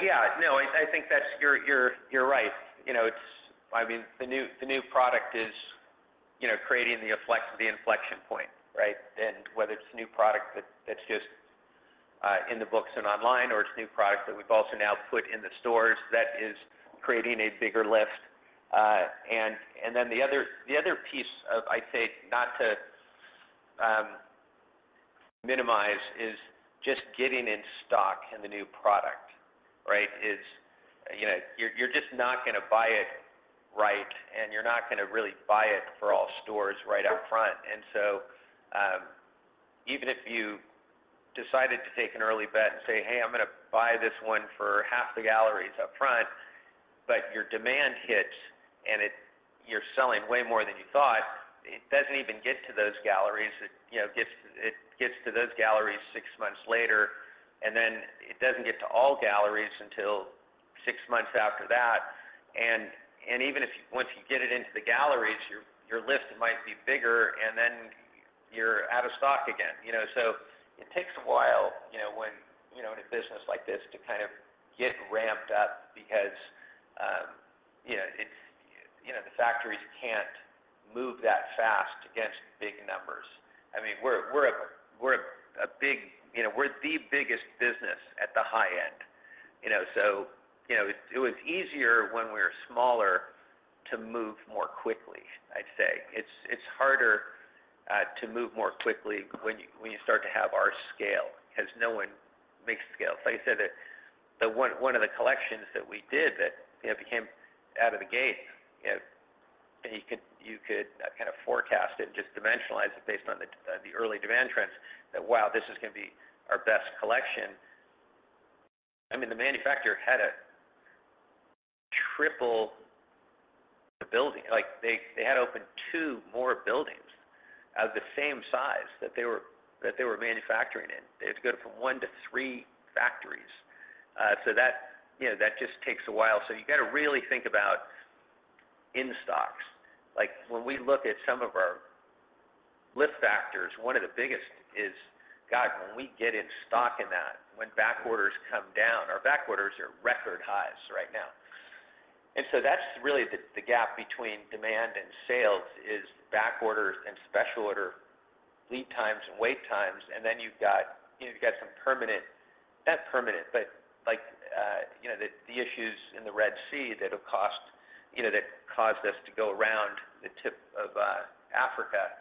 Yeah, no, I think that's, you're right. You know, it's - I mean, the new product is, you know, creating the inflection point, right? And whether it's a new product that's just in the books and online, or it's a new product that we've also now put in the stores, that is creating a bigger lift. And then the other piece of, I'd say, not to minimize, is just getting in stock in the new product, right? You know, you're just not gonna buy it, right, and you're not gonna really buy it for all stores right up front. And so, even if you decided to take an early bet and say, "Hey, I'm gonna buy this one for half the galleries up front," but your demand hits and it you're selling way more than you thought, it doesn't even get to those galleries. It, you know, gets, it gets to those galleries six months later, and then it doesn't get to all galleries until six months after that. And, and even if you once you get it into the galleries, your, your list might be bigger, and then you're out of stock again. You know, so it takes a while, you know, when, you know, in a business like this to kind of get ramped up because, you know, it's, you know, the factories can't move that fast against big numbers. I mean, we're, we're a, we're a big, You know, we're the biggest business at the high end. You know, so, you know, it, it was easier when we were smaller to move more quickly, I'd say. It's, it's harder to move more quickly when you, when you start to have our scale, 'cause no one makes scale. Like I said, one of the collections that we did that, you know, became out of the gate, you could, you could kind of forecast it and just dimensionalize it based on the, the early demand trends, that, wow, this is gonna be our best collection. I mean, the manufacturer had to triple the building. Like, they, they had to open two more buildings of the same size that they were, that they were manufacturing in. It's good from one to three factories. So that, you know, that just takes a while. So you gotta really think about in stocks. Like, when we look at some of our lift factors, one of the biggest is, God, when we get in stock in that, when back orders come down, our back orders are record highs right now. And so that's really the, the gap between demand and sales, is back orders and special order, lead times and wait times. And then you've got, you know, you've got some permanent, not permanent, but like, you know, the, the issues in the Red Sea that have cost, you know, that caused us to go around the tip of, Africa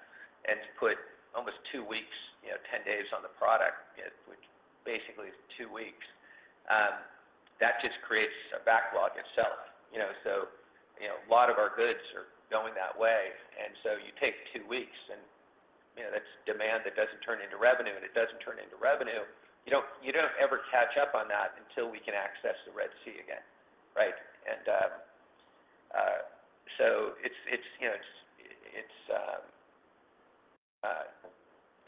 and to put almost two weeks, you know, 10 days on the product, which basically is two weeks. That just creates a backlog itself. You know, so you know, a lot of our goods are going that way, and so you take two weeks, and you know, that's demand that doesn't turn into revenue, and it doesn't turn into revenue. You don't ever catch up on that until we can access the Red Sea again, right? And so it's, you know, it's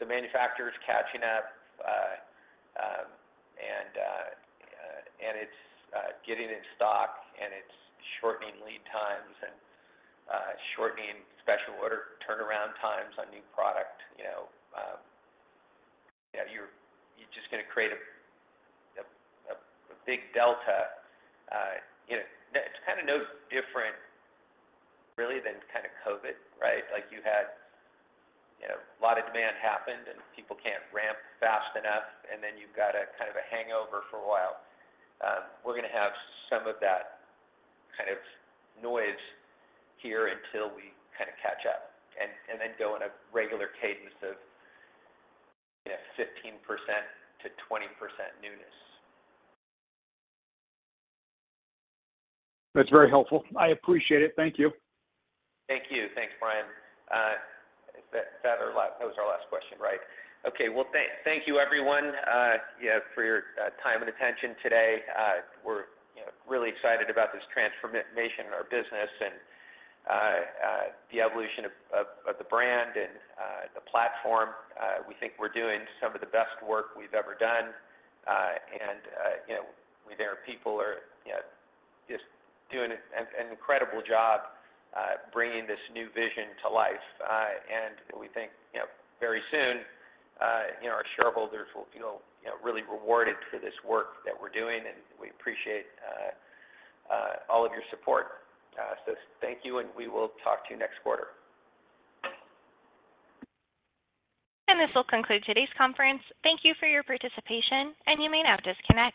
the manufacturer is catching up, and it's getting in stock, and it's shortening lead times and shortening special order turnaround times on new product. You know, yeah, you're just gonna create a big delta. You know, it's kind of no different really than kind of COVID, right? Like, you had, you know, a lot of demand happened, and people can't ramp fast enough, and then you've got a kind of a hangover for a while. We're gonna have some of that kind of noise here until we kind of catch up, and then go in a regular cadence of, you know, 15%-20% newness. That's very helpful. I appreciate it. Thank you. Thank you. Thanks, Brian. Is that our last, That was our last question, right? Okay. Well, thank you, everyone, yeah, for your time and attention today. We're, you know, really excited about this transformation in our business and the evolution of the brand and the platform. We think we're doing some of the best work we've ever done. And you know, there are people who are just doing an incredible job bringing this new vision to life. And we think, you know, very soon, you know, our shareholders will feel, you know, really rewarded for this work that we're doing, and we appreciate all of your support. So thank you, and we will talk to you next quarter. This will conclude today's conference. Thank you for your participation, and you may now disconnect.